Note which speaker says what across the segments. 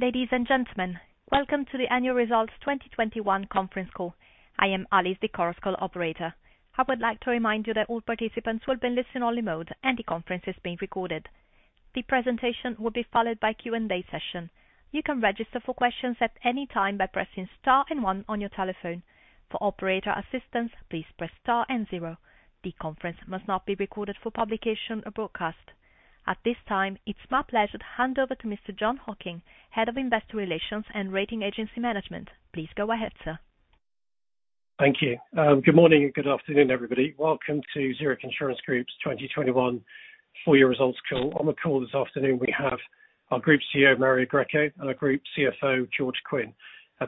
Speaker 1: Ladies and gentlemen, welcome to the Annual Results 2021 conference call. I am Alice, the conference call operator. I would like to remind you that all participants will be in listen-only mode and the conference is being recorded. The presentation will be followed by Q&A session. You can register for questions at any time by pressing star and one on your telephone. For operator assistance, please press star and zero. The conference must not be recorded for publication or broadcast. At this time, it's my pleasure to hand over to Mr. Jon Hocking, Head of Investor Relations and Rating Agency Management. Please go ahead, sir.
Speaker 2: Thank you. Good morning and good afternoon, everybody. Welcome to Zurich Insurance Group's 2021 Full Year Results Call. On the call this afternoon, we have our Group CEO, Mario Greco, and our Group CFO, George Quinn.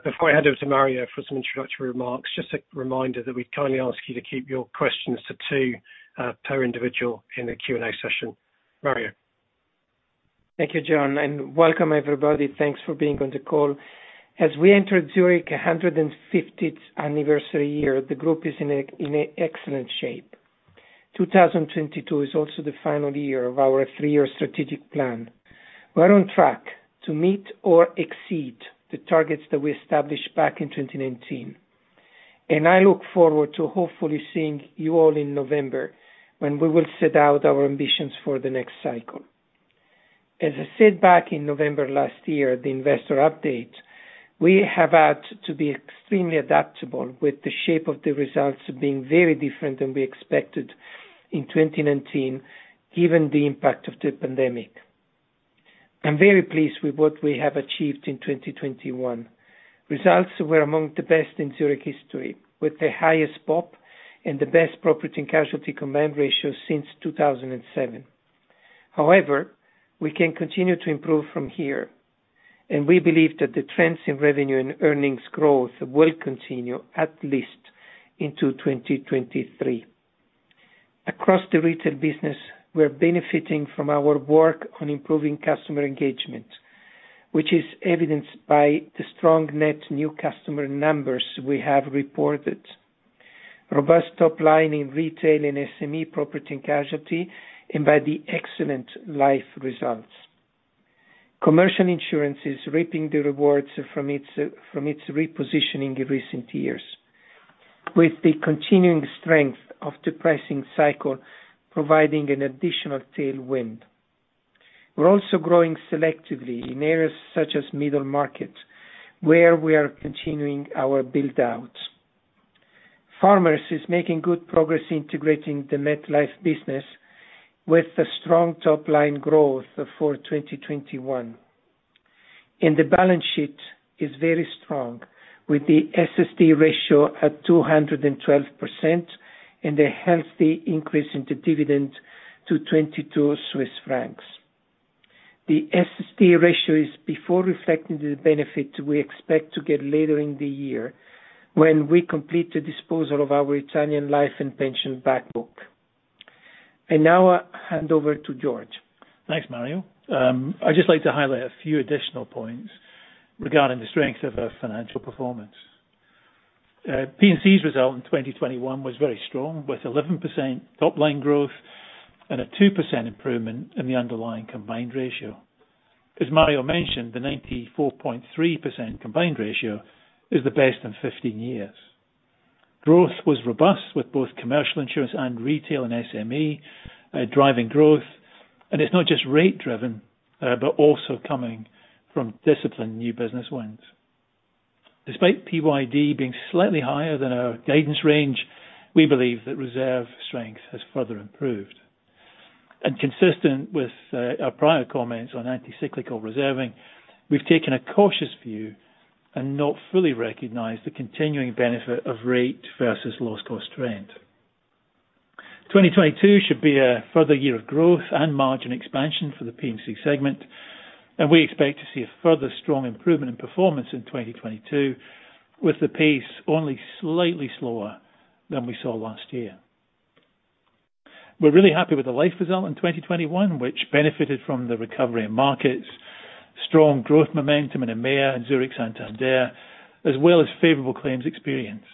Speaker 2: Before I hand over to Mario for some introductory remarks, just a reminder that we kindly ask you to keep your questions to two per individual in the Q&A session. Mario.
Speaker 3: Thank you, Jon, and welcome, everybody. Thanks for being on the call. As we enter Zurich's 150th anniversary year, the group is in excellent shape. 2022 is also the final year of our three-year strategic plan. We're on track to meet or exceed the targets that we established back in 2019. I look forward to hopefully seeing you all in November when we will set out our ambitions for the next cycle. As I said back in November last year at the investor update, we have had to be extremely adaptable with the shape of the results being very different than we expected in 2019, given the impact of the pandemic. I'm very pleased with what we have achieved in 2021. Results were among the best in Zurich history, with the highest BOP and the best property and casualty combined ratio since 2007. However, we can continue to improve from here, and we believe that the trends in revenue and earnings growth will continue at least into 2023. Across the retail business, we are benefiting from our work on improving customer engagement, which is evidenced by the strong net new customer numbers we have reported, robust top line in retail and SME property and casualty, and by the excellent life results. Commercial Insurance is reaping the rewards from its repositioning in recent years, with the continuing strength of the pricing cycle providing an additional tailwind. We're also growing selectively in areas such as middle market, where we are continuing our build-out. Farmers is making good progress integrating the MetLife business with a strong top-line growth for 2021. The balance sheet is very strong, with the SST ratio at 212% and a healthy increase in the dividend to 22 Swiss francs. The SST ratio is before reflecting the benefit we expect to get later in the year when we complete the disposal of our Italian life and pension back book. Now I hand over to George.
Speaker 4: Thanks, Mario. I'd just like to highlight a few additional points regarding the strength of our financial performance. P&C's result in 2021 was very strong, with 11% top-line growth and a 2% improvement in the underlying combined ratio. As Mario mentioned, the 94.3% combined ratio is the best in 15 years. Growth was robust with both commercial insurance and retail and SME driving growth, and it's not just rate driven but also coming from disciplined new business wins. Despite PYD being slightly higher than our guidance range, we believe that reserve strength has further improved. Consistent with our prior comments on anti-cyclical reserving, we've taken a cautious view and not fully recognized the continuing benefit of rate versus loss cost trend. 2022 should be a further year of growth and margin expansion for the P&C segment, and we expect to see a further strong improvement in performance in 2022, with the pace only slightly slower than we saw last year. We're really happy with the life result in 2021, which benefited from the recovery in markets, strong growth momentum in EMEA and Zurich Santander, as well as favorable claims experience.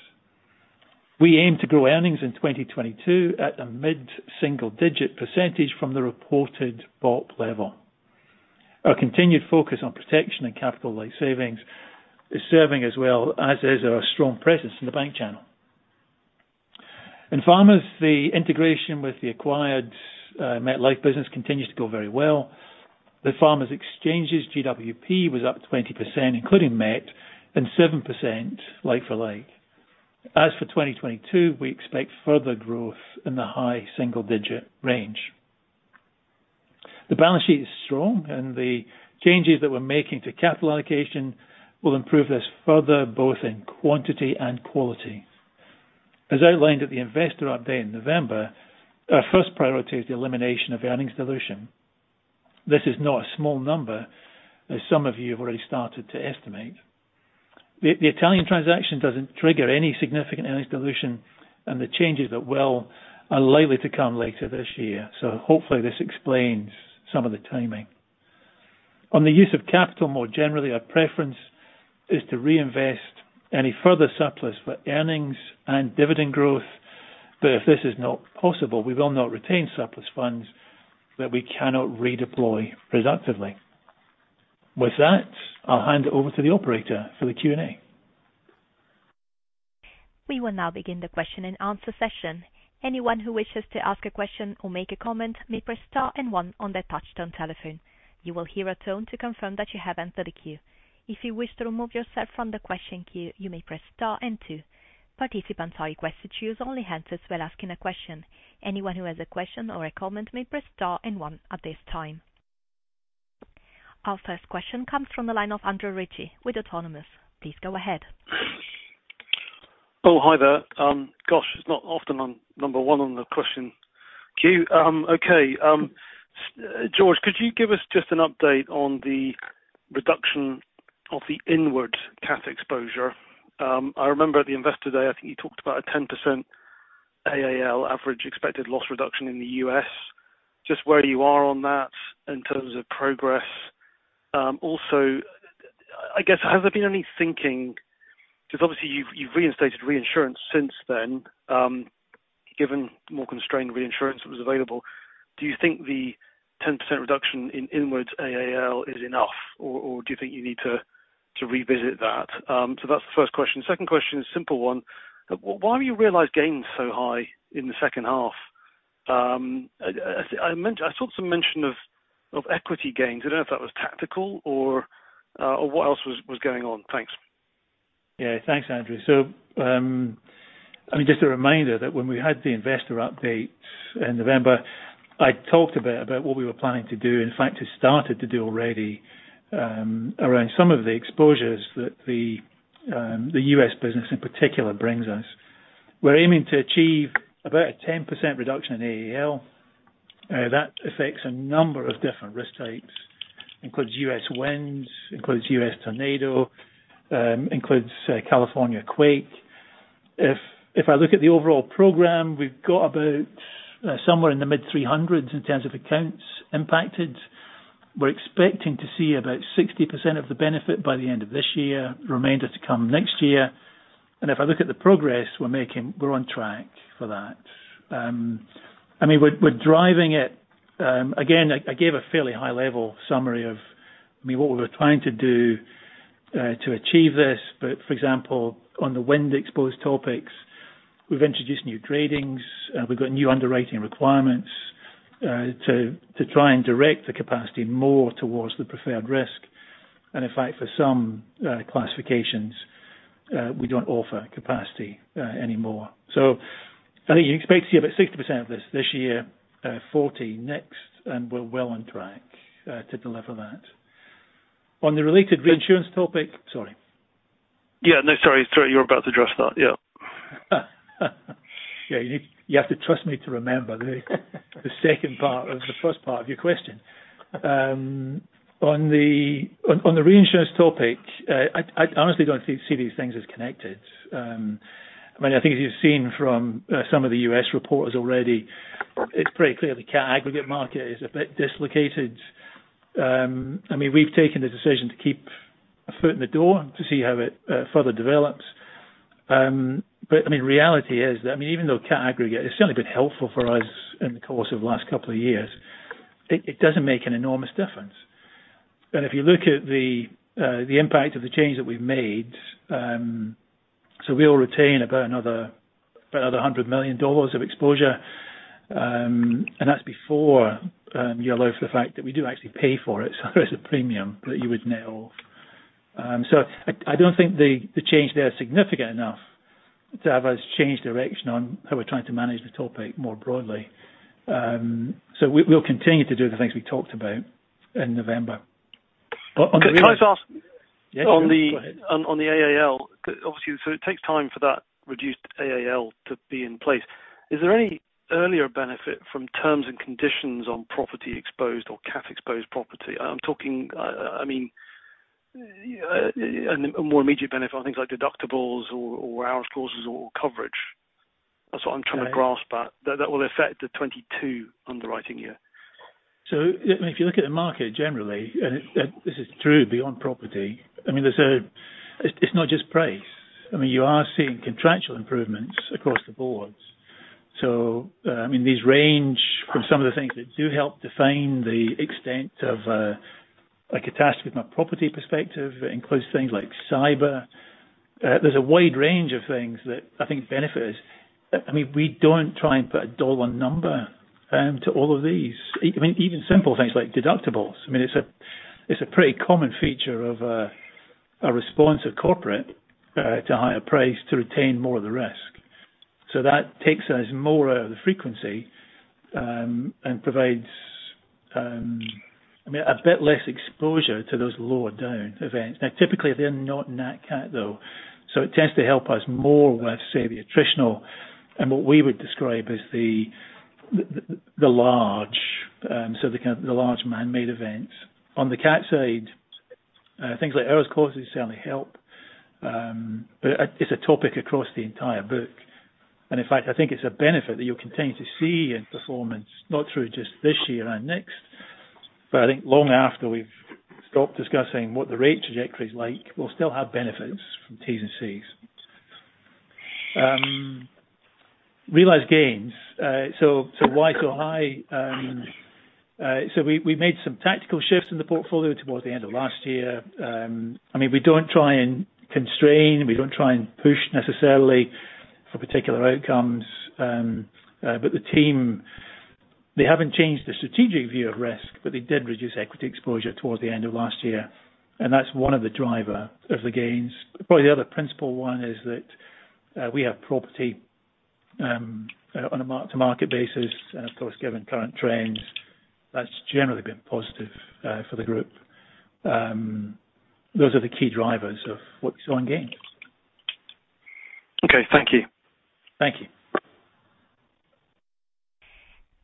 Speaker 4: We aim to grow earnings in 2022 at a mid-single-digit % from the reported BOP level. Our continued focus on protection and capital life savings is serving us well as is our strong presence in the bank channel. In Farmers, the integration with the acquired MetLife business continues to go very well. The Farmers Exchanges GWP was up 20%, including Met, and 7% like for like. As for 2022, we expect further growth in the high single digit range. The balance sheet is strong, and the changes that we're making to capital allocation will improve this further, both in quantity and quality. As outlined at the investor update in November, our first priority is the elimination of earnings dilution. This is not a small number, as some of you have already started to estimate. The Italian transaction doesn't trigger any significant earnings dilution, and the changes that will are likely to come later this year. Hopefully this explains some of the timing. On the use of capital, more generally, our preference is to reinvest any further surplus for earnings and dividend growth. If this is not possible, we will not retain surplus funds that we cannot redeploy productively. With that, I'll hand it over to the operator for the Q&A.
Speaker 1: We will now begin the question and answer session. Anyone who wishes to ask a question or make a comment may press star and one on their touchtone telephone. You will hear a tone to confirm that you have entered the queue. If you wish to remove yourself from the question queue, you may press star and two. Participants are requested to use only handsets while asking a question. Anyone who has a question or a comment may press star and one at this time. Our first question comes from the line of Andrew Ritchie with Autonomous. Please go ahead.
Speaker 5: Oh, hi there. Gosh, it's not often I'm number one on the question queue. Okay. George, could you give us just an update on the reduction of the inward cat exposure? I remember at the Investor Day, I think you talked about a 10% AAL average expected loss reduction in the U.S. Just where you are on that in terms of progress. Also, I guess, has there been any thinking, because obviously you've reinstated reinsurance since then, given more constrained reinsurance that was available. Do you think the 10% reduction in inwards AAL is enough, or do you think you need to revisit that? So that's the first question. Second question is a simple one. Why have you realized gains so high in the second half? I meant. I saw some mention of equity gains. I don't know if that was tactical or what else was going on. Thanks.
Speaker 4: Yeah. Thanks, Andrew. I mean, just a reminder that when we had the investor update in November, I talked a bit about what we were planning to do. In fact, we started to do already around some of the exposures that the U.S. business in particular brings us. We're aiming to achieve about a 10% reduction in AAL. That affects a number of different risk types, including U.S. winds, U.S. tornado, California quake. If I look at the overall program, we've got about somewhere in the mid-300s in terms of accounts impacted. We're expecting to see about 60% of the benefit by the end of this year, remainder to come next year. If I look at the progress we're making, we're on track for that. I mean, we're driving it. Again, I gave a fairly high level summary of, I mean, what we were trying to do to achieve this. For example, on the wind-exposed topics, we've introduced new gradings. We've got new underwriting requirements to try and direct the capacity more towards the preferred risk. In fact, for some classifications, we don't offer capacity anymore. I think you can expect to see about 60% of this year, 40% next, and we're well on track to deliver that. On the related reinsurance topic. Sorry.
Speaker 5: Yeah. No, sorry. Sorry, you were about to address that. Yeah.
Speaker 4: Yeah. You have to trust me to remember the second part of the first part of your question. On the reinsurance topic, I honestly don't see these things as connected. I mean, I think as you've seen from some of the U.S. reporters already, it's pretty clear the cat aggregate market is a bit dislocated. I mean, we've taken the decision to keep a foot in the door to see how it further develops. I mean, reality is that even though cat aggregate has certainly been helpful for us in the course of the last couple of years, it doesn't make an enormous difference. If you look at the impact of the change that we've made, we'll retain about another $100 million of exposure. That's before you allow for the fact that we do actually pay for it. There's a premium that you would net off. I don't think the change there is significant enough to have us change direction on how we're trying to manage the topic more broadly. We'll continue to do the things we talked about in November. On the real-
Speaker 5: Can I just ask?
Speaker 4: Yeah.
Speaker 5: On the-
Speaker 4: Go ahead.
Speaker 5: On the AAL, obviously so it takes time for that reduced AAL to be in place. Is there any earlier benefit from terms and conditions on property exposed or cat exposed property? I'm talking, I mean, a more immediate benefit on things like deductibles or hours clauses or coverage. That's what I'm trying to grasp at. That will affect the 2022 underwriting year.
Speaker 4: I mean, if you look at the market generally, and this is true beyond property. I mean, it's not just price. I mean, you are seeing contractual improvements across the board. These range from some of the things that do help define the extent of like a loss from a property perspective. It includes things like cyber. There's a wide range of things that I think benefit us. I mean, we don't try and put a dollar-one number to all of these. I mean, even simple things like deductibles. I mean, it's a pretty common feature of a corporate response to higher prices to retain more of the risk. That takes us more out of the frequency and provides, I mean, a bit less exposure to those lower down events. Typically, they're not in that cat though, so it tends to help us more with, say, the attritional and what we would describe as the large, so the kind of, the large manmade events. On the cat side, things like hours clauses certainly help. It's a topic across the entire book. In fact, I think it's a benefit that you'll continue to see in performance, not through just this year and next. I think long after we've stopped discussing what the rate trajectory is like, we'll still have benefits from T&Cs. Realized gains. So why so high? We made some tactical shifts in the portfolio towards the end of last year. I mean, we don't try and constrain, we don't try and push necessarily for particular outcomes. The team, they haven't changed their strategic view of risk, but they did reduce equity exposure towards the end of last year, and that's one of the driver of the gains. Probably the other principal one is that, we have property on a mark-to-market basis, and of course, given current trends, that's generally been positive for the group. Those are the key drivers of what's on gains.
Speaker 5: Okay, thank you.
Speaker 4: Thank you.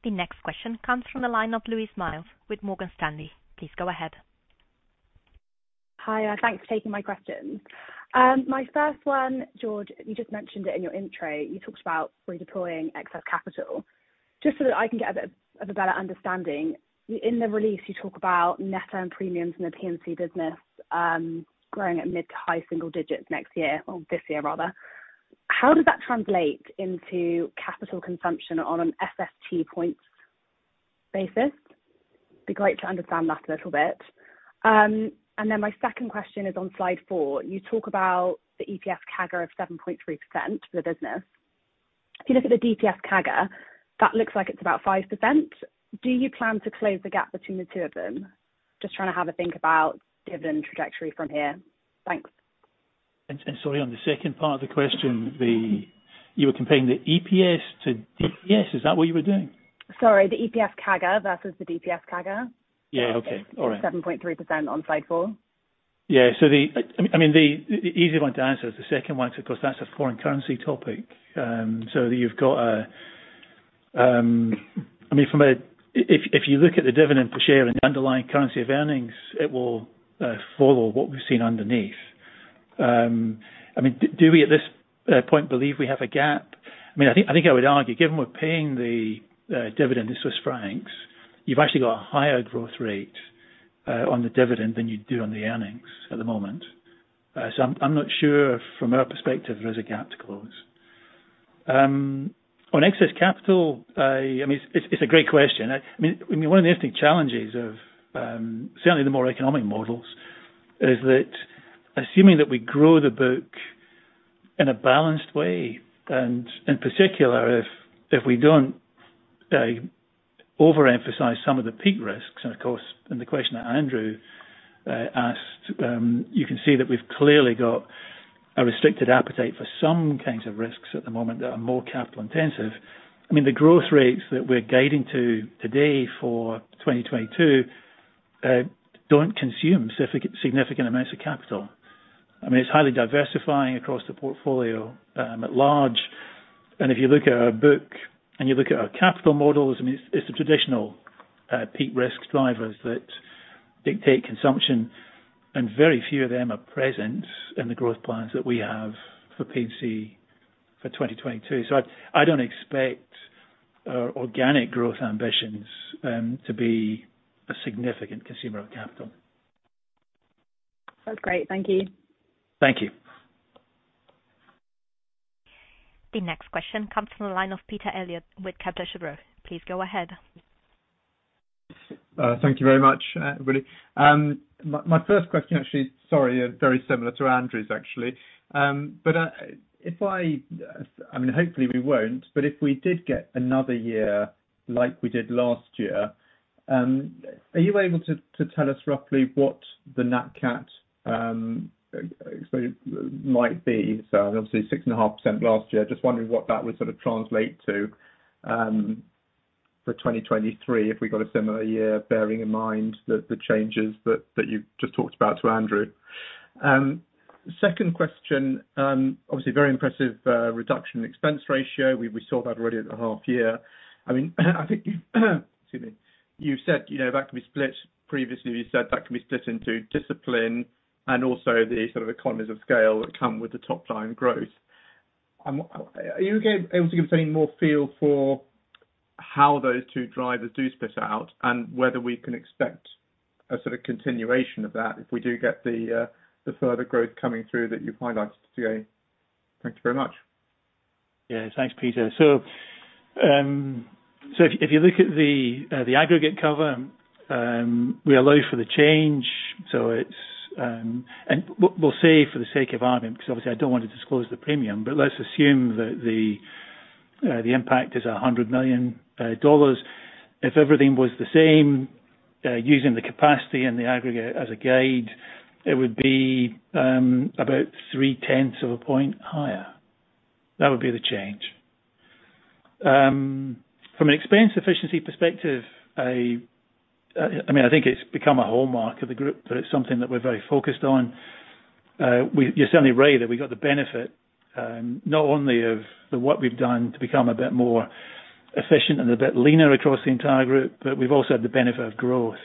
Speaker 1: The next question comes from the line of Louise Miles with Morgan Stanley. Please go ahead.
Speaker 6: Hi, thanks for taking my questions. My first one, George, you just mentioned it in your intro. You talked about redeploying excess capital. Just so that I can get a bit of a better understanding, in the release, you talk about net earned premiums in the P&C business, growing at mid to high single digits next year or this year, rather. How does that translate into capital consumption on an SST points basis? It would be great to understand that a little bit. My second question is on slide four. You talk about the EPS CAGR of 7.3% for the business. If you look at the DPS CAGR, that looks like it's about 5%. Do you plan to close the gap between the two of them? Just trying to have a think about dividend trajectory from here. Thanks.
Speaker 4: Sorry, on the second part of the question, you were comparing the EPS to DPS. Is that what you were doing?
Speaker 6: Sorry, the EPS CAGR versus the DPS CAGR.
Speaker 4: Yeah. Okay. All right.
Speaker 6: 7.3% on slide four.
Speaker 4: Yeah, I mean, the easy one to answer is the second one because that's a foreign currency topic. If you look at the dividend per share and the underlying currency of earnings, it will follow what we've seen underneath. I mean, do we at this point believe we have a gap? I mean, I think I would argue, given we're paying the dividend in Swiss francs, you've actually got a higher growth rate on the dividend than you do on the earnings at the moment. I'm not sure from our perspective there is a gap to close. On excess capital, I mean, it's a great question. I mean, one of the interesting challenges of certainly the more economic models is that assuming that we grow the book in a balanced way, and in particular, if we don't overemphasize some of the peak risks, and of course, and the question that Andrew asked, you can see that we've clearly got a restricted appetite for some kinds of risks at the moment that are more capital intensive. I mean, the growth rates that we're guiding to today for 2022 don't consume significant amounts of capital. I mean, it's highly diversifying across the portfolio at large. If you look at our book and you look at our capital models, I mean, it's the traditional peak risk drivers that dictate consumption, and very few of them are present in the growth plans that we have for P&C for 2022. I don't expect our organic growth ambitions to be a significant consumer of capital.
Speaker 6: That's great. Thank you.
Speaker 4: Thank you.
Speaker 1: The next question comes from the line of Peter Eliot with Kepler Cheuvreux. Please go ahead.
Speaker 7: Thank you very much, everybody. My first question actually, sorry, very similar to Andrew's, actually. I mean, hopefully we won't, but if we did get another year like we did last year, are you able to tell us roughly what the Nat Cat might be? So obviously 6.5% last year. Just wondering what that would sort of translate to for 2023 if we got a similar year, bearing in mind the changes that you just talked about to Andrew. Second question, obviously very impressive reduction in expense ratio. We saw that already at the half year. I mean, I think. Excuse me. You said, you know, that can be split. Previously, you said that can be split into discipline and also the sort of economies of scale that come with the top line growth. Are you able to give us any more feel for how those two drivers do split out and whether we can expect a sort of continuation of that if we do get the further growth coming through that you highlighted today? Thank you very much.
Speaker 4: Yeah. Thanks, Peter. If you look at the aggregate cover, we allow for the change. We'll say for the sake of argument, 'cause obviously I don't want to disclose the premium, but let's assume that the impact is $100 million. If everything was the same, using the capacity and the aggregate as a guide, it would be about 0.3 of a point higher. That would be the change. From an expense efficiency perspective, I mean, I think it's become a hallmark of the group, but it's something that we're very focused on. You're certainly right that we got the benefit, not only of the work we've done to become a bit more efficient and a bit leaner across the entire group, but we've also had the benefit of growth.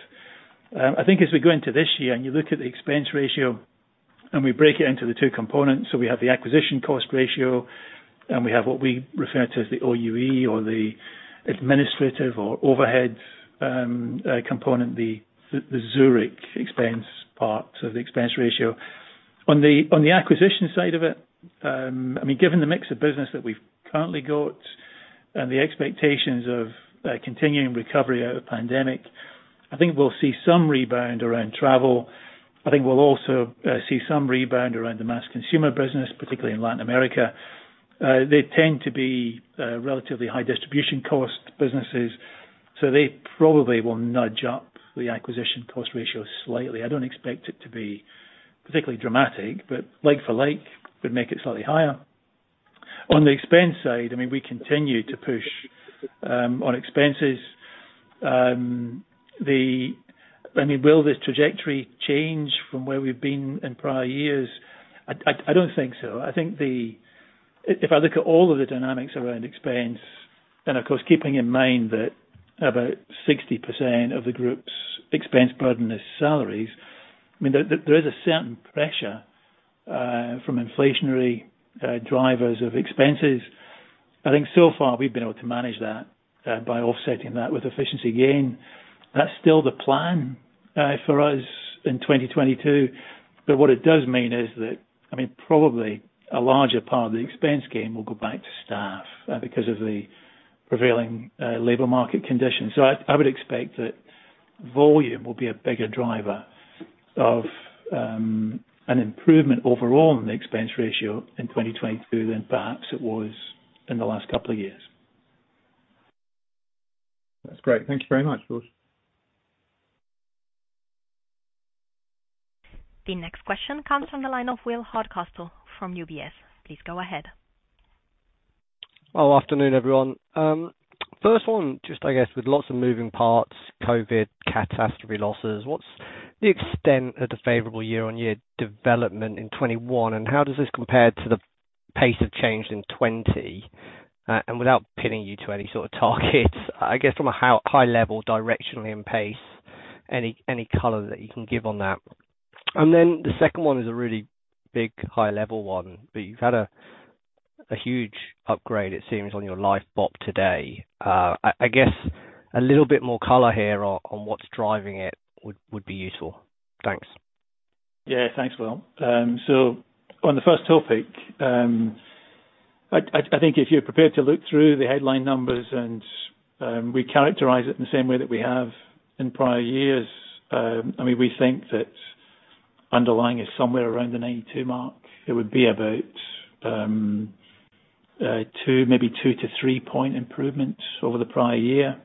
Speaker 4: I think as we go into this year and you look at the expense ratio. We break it into the two components. So we have the acquisition cost ratio, and we have what we refer to as the OUE or the administrative or overhead component, the Zurich expense part, so the expense ratio. On the acquisition side of it, I mean, given the mix of business that we've currently got and the expectations of continuing recovery out of pandemic, I think we'll see some rebound around travel. I think we'll also see some rebound around the mass consumer business, particularly in Latin America. They tend to be relatively high distribution cost businesses, so they probably will nudge up the acquisition cost ratio slightly. I don't expect it to be particularly dramatic, but like for like would make it slightly higher. On the expense side, I mean, we continue to push on expenses. I mean, will this trajectory change from where we've been in prior years? I don't think so. I think if I look at all of the dynamics around expense, and of course, keeping in mind that about 60% of the group's expense burden is salaries, I mean, there is a certain pressure from inflationary drivers of expenses. I think so far we've been able to manage that by offsetting that with efficiency gain. That's still the plan for us in 2022. What it does mean is that, I mean, probably a larger part of the expense gain will go back to staff because of the prevailing labor market conditions. I would expect that volume will be a bigger driver of an improvement overall in the expense ratio in 2022 than perhaps it was in the last couple of years.
Speaker 7: That's great. Thank you very much, George.
Speaker 1: The next question comes from the line of Will Hardcastle from UBS. Please go ahead.
Speaker 8: Good afternoon, everyone. First one, just I guess with lots of moving parts, COVID catastrophe losses, what's the extent of the favorable year-on-year development in 2021, and how does this compare to the pace of change in 2020? Without pinning you to any sort of targets, I guess from a high level directionally and pace, any color that you can give on that. Then the second one is a really big high-level one, but you've had a huge upgrade it seems on your life BOP today. I guess a little bit more color here on what's driving it would be useful. Thanks.
Speaker 4: Yeah. Thanks, Will. So on the first topic, I think if you're prepared to look through the headline numbers and we characterize it in the same way that we have in prior years, I mean, we think that underlying is somewhere around the 92 mark. It would be about two, maybe 2-3 point improvements over the prior year.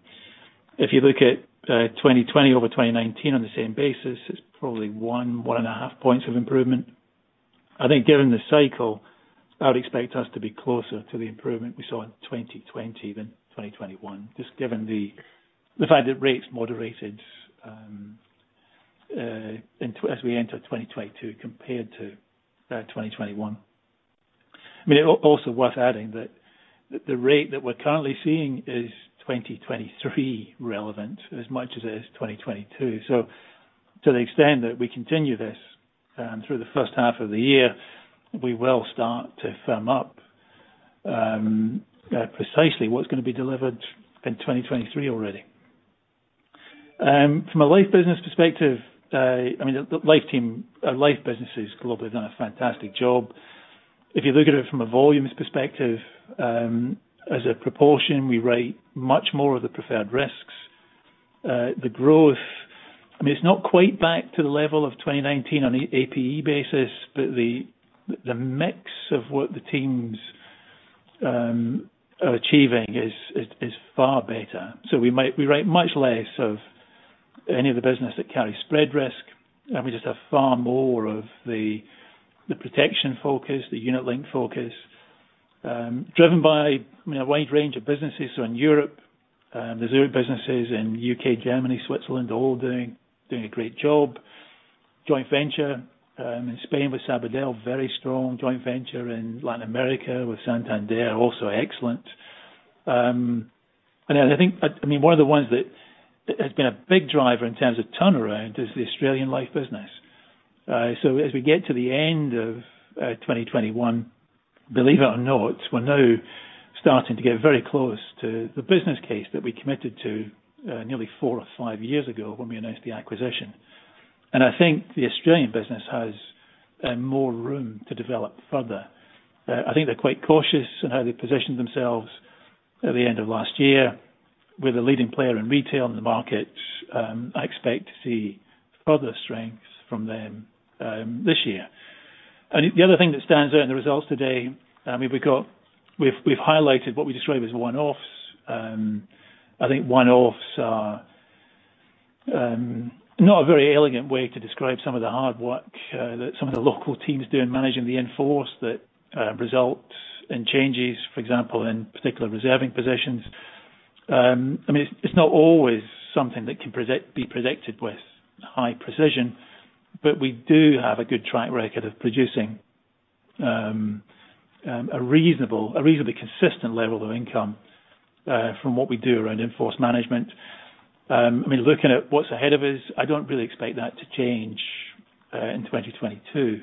Speaker 4: If you look at 2020 over 2019 on the same basis, it's probably 1.5 points of improvement. I think given the cycle, I would expect us to be closer to the improvement we saw in 2020 than 2021. Just given the fact that rates moderated as we enter 2022 compared to 2021. I mean, it's also worth adding that the rate that we're currently seeing is 2023 relevant as much as it is 2022. To the extent that we continue this through the first half of the year, we will start to firm up precisely what's gonna be delivered in 2023 already. From a life business perspective, I mean, the life team, life businesses globally have done a fantastic job. If you look at it from a volumes perspective, as a proportion, we rate much more of the preferred risks. The growth, I mean, it's not quite back to the level of 2019 on APE basis, but the mix of what the team's achieving is far better. We might... We rate much less of any of the business that carry spread risk, and we just have far more of the protection focus, the unit link focus, driven by, I mean, a wide range of businesses. In Europe, the Zurich businesses in U.K., Germany, Switzerland, all doing a great job. Joint venture in Spain with Sabadell, very strong. Joint venture in Latin America with Santander, also excellent. I think, I mean, one of the ones that has been a big driver in terms of turnaround is the Australian life business. As we get to the end of 2021, believe it or not, we're now starting to get very close to the business case that we committed to nearly four or five years ago when we announced the acquisition. I think the Australian business has more room to develop further. I think they're quite cautious in how they positioned themselves at the end of last year. We're the leading player in retail in the market. I expect to see further strengths from them this year. The other thing that stands out in the results today, I mean, we've highlighted what we describe as one-offs. I think one-offs are not a very elegant way to describe some of the hard work that some of the local teams do in managing the in-force that results in changes, for example, in particular reserving positions. I mean, it's not always something that can be predicted with high precision, but we do have a good track record of producing a reasonably consistent level of income from what we do around in-force management. I mean, looking at what's ahead of us, I don't really expect that to change in 2022.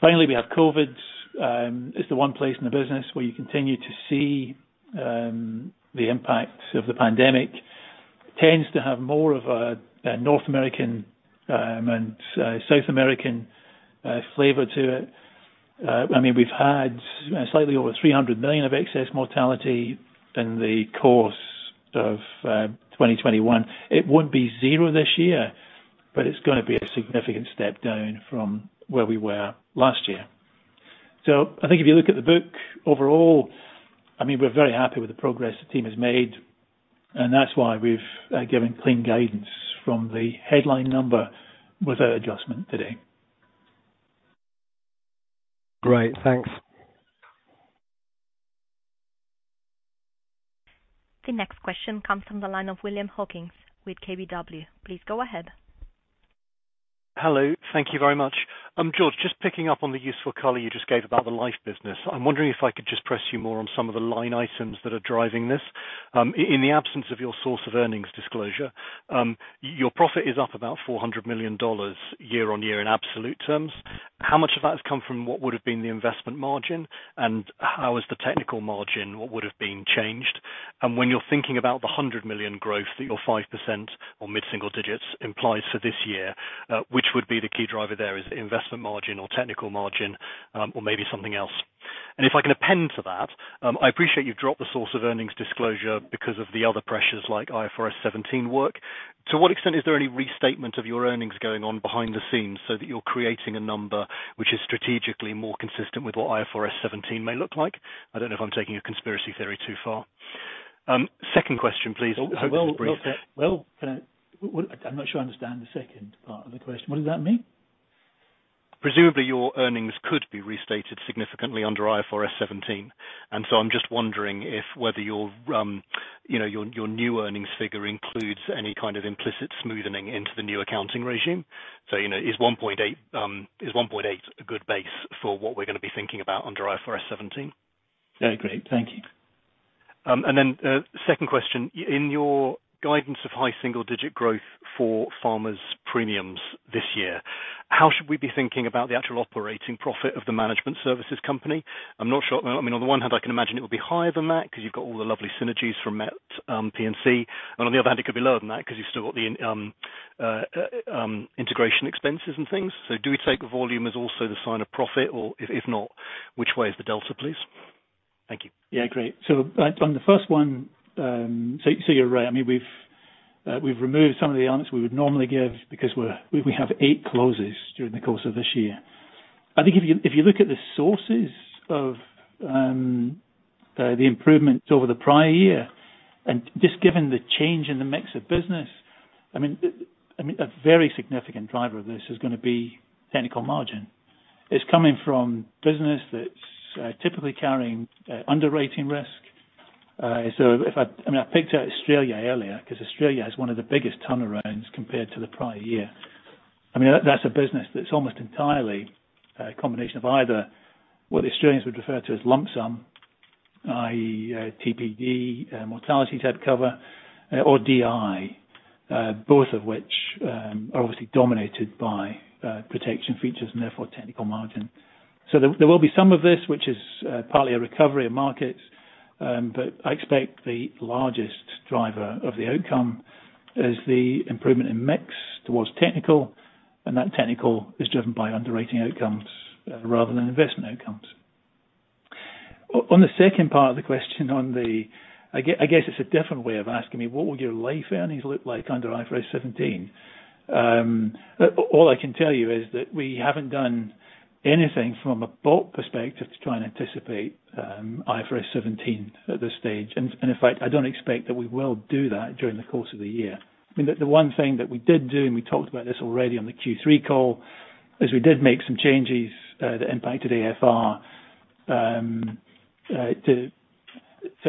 Speaker 4: Finally, we have COVID. It's the one place in the business where you continue to see the impact of the pandemic. It tends to have more of a North American and South American flavor to it. I mean, we've had slightly over $300 million of excess mortality in the course of 2021. It won't be zero this year, but it's gonna be a significant step down from where we were last year. I think if you look at the book overall, I mean, we're very happy with the progress the team has made, and that's why we've given clean guidance from the headline number without adjustment today.
Speaker 8: Great. Thanks.
Speaker 1: The next question comes from the line of William Hawkins with KBW. Please go ahead.
Speaker 9: Hello. Thank you very much. George, just picking up on the useful color you just gave about the life business. I'm wondering if I could just press you more on some of the line items that are driving this. In the absence of your source of earnings disclosure, your profit is up about $400 million year-on-year in absolute terms. How much of that has come from what would have been the investment margin, and how has the technical margin changed? When you're thinking about the $100 million growth that your 5% or mid-single digits implies for this year, which would be the key driver there? Is it investment margin or technical margin, or maybe something else? If I can append to that, I appreciate you've dropped the source of earnings disclosure because of the other pressures like IFRS 17 work. To what extent is there any restatement of your earnings going on behind the scenes so that you're creating a number which is strategically more consistent with what IFRS 17 may look like? I don't know if I'm taking a conspiracy theory too far. Second question, please.
Speaker 4: Well, well, well.
Speaker 9: Hope it's brief.
Speaker 4: I'm not sure I understand the second part of the question. What does that mean?
Speaker 9: Presumably your earnings could be restated significantly under IFRS 17, and I'm just wondering whether your new earnings figure includes any kind of implicit smoothening into the new accounting regime. You know, is $1.8 a good base for what we're gonna be thinking about under IFRS 17?
Speaker 4: Yeah, great. Thank you.
Speaker 9: Second question. In your guidance of high single-digit growth for Farmers' premiums this year, how should we be thinking about the actual operating profit of the management services company? I'm not sure. I mean, on the one hand, I can imagine it would be higher than that 'cause you've got all the lovely synergies from MetLife P&C. On the other hand, it could be lower than that 'cause you've still got the integration expenses and things. Do we take volume as also the sign of profit, or if not, which way is the delta, please? Thank you.
Speaker 4: Yeah, great. On the first one, you're right. I mean, we've removed some of the answers we would normally give because we have eight closes during the course of this year. I think if you look at the sources of the improvements over the prior year, and just given the change in the mix of business, I mean, a very significant driver of this is gonna be technical margin. It's coming from business that's typically carrying underwriting risk. I mean, I picked out Australia earlier 'cause Australia has one of the biggest turnarounds compared to the prior year. I mean, that's a business that's almost entirely a combination of either what the Australians would refer to as lump sum, i.e., TPD, mortality type cover or DI, both of which are obviously dominated by protection features and therefore technical margin. There will be some of this, which is partly a recovery of markets, but I expect the largest driver of the outcome is the improvement in mix towards technical, and that technical is driven by underwriting outcomes rather than investment outcomes. On the second part of the question, I guess it's a different way of asking me what would your life earnings look like under IFRS 17. All I can tell you is that we haven't done anything from a bot perspective to try and anticipate IFRS 17 at this stage. In fact, I don't expect that we will do that during the course of the year. I mean, the one thing that we did do, and we talked about this already on the Q3 call, is we did make some changes that impacted AFR to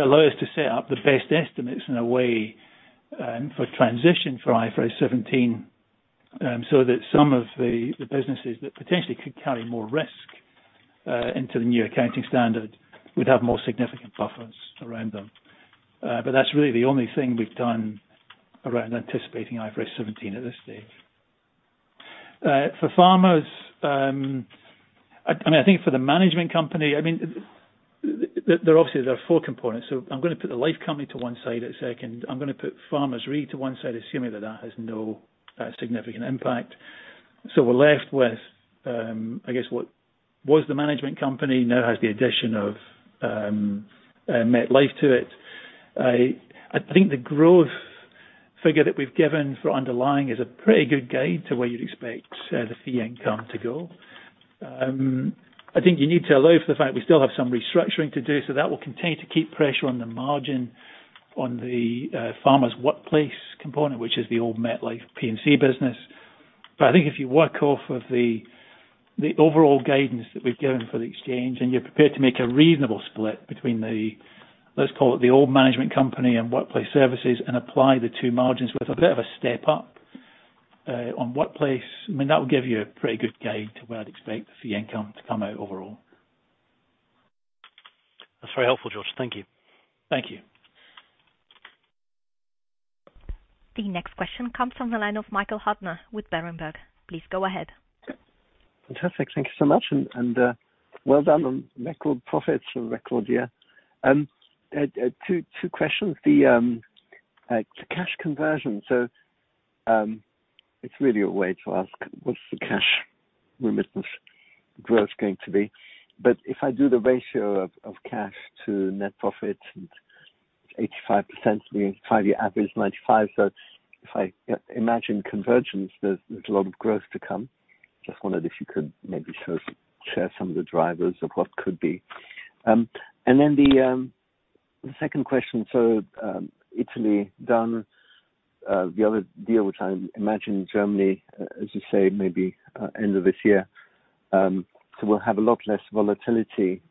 Speaker 4: allow us to set up the best estimates in a way for transition for IFRS 17, so that some of the businesses that potentially could carry more risk into the new accounting standard would have more significant buffers around them. That's really the only thing we've done around anticipating IFRS 17 at this stage. For Farmers, I mean, I think for the management company, I mean, there obviously are four components. I'm gonna put the life company to one side a second. I'm gonna put Farmers Re to one side, assuming that that has no significant impact. We're left with, I guess what was the management company now has the addition of MetLife to it. I think the growth figure that we've given for underlying is a pretty good guide to where you'd expect the fee income to go. I think you need to allow for the fact we still have some restructuring to do, so that will continue to keep pressure on the margin on the Farmers workplace component, which is the old MetLife P&C business. I think if you work off of the overall guidance that we've given for the exchange, and you're prepared to make a reasonable split between the, let's call it the old management company and workplace services and apply the two margins with a bit of a step up on Workplace. I mean, that will give you a pretty good guide to where I'd expect the fee income to come out overall.
Speaker 9: That's very helpful, George. Thank you.
Speaker 4: Thank you.
Speaker 1: The next question comes from the line of Michael Huttner with Berenberg. Please go ahead.
Speaker 10: Fantastic. Thank you so much. Well done on record profits and record year. Two questions. The cash conversion. It's really a way to ask what's the cash remittance growth going to be? But if I do the ratio of cash to net profits, it's 85%. The five-year average, 95%. If I imagine convergence, there's a lot of growth to come. Just wondered if you could maybe share some of the drivers of what could be. The second question. Italy done, the other deal, which I imagine Germany, as you say, maybe, end of this year. We'll have a lot less volatility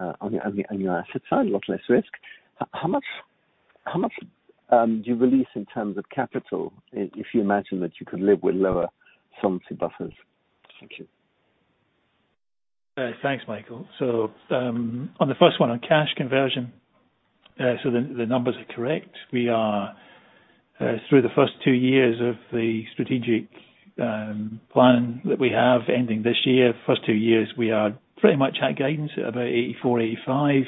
Speaker 10: on your asset side, a lot less risk. How much do you release in terms of capital if you imagine that you could live with lower solvency buffers? Thank you.
Speaker 4: Thanks, Michael. On the first one, on cash conversion, the numbers are correct. We are through the first two years of the strategic plan that we have ending this year. First two years, we are pretty much at guidance of 84%-85%.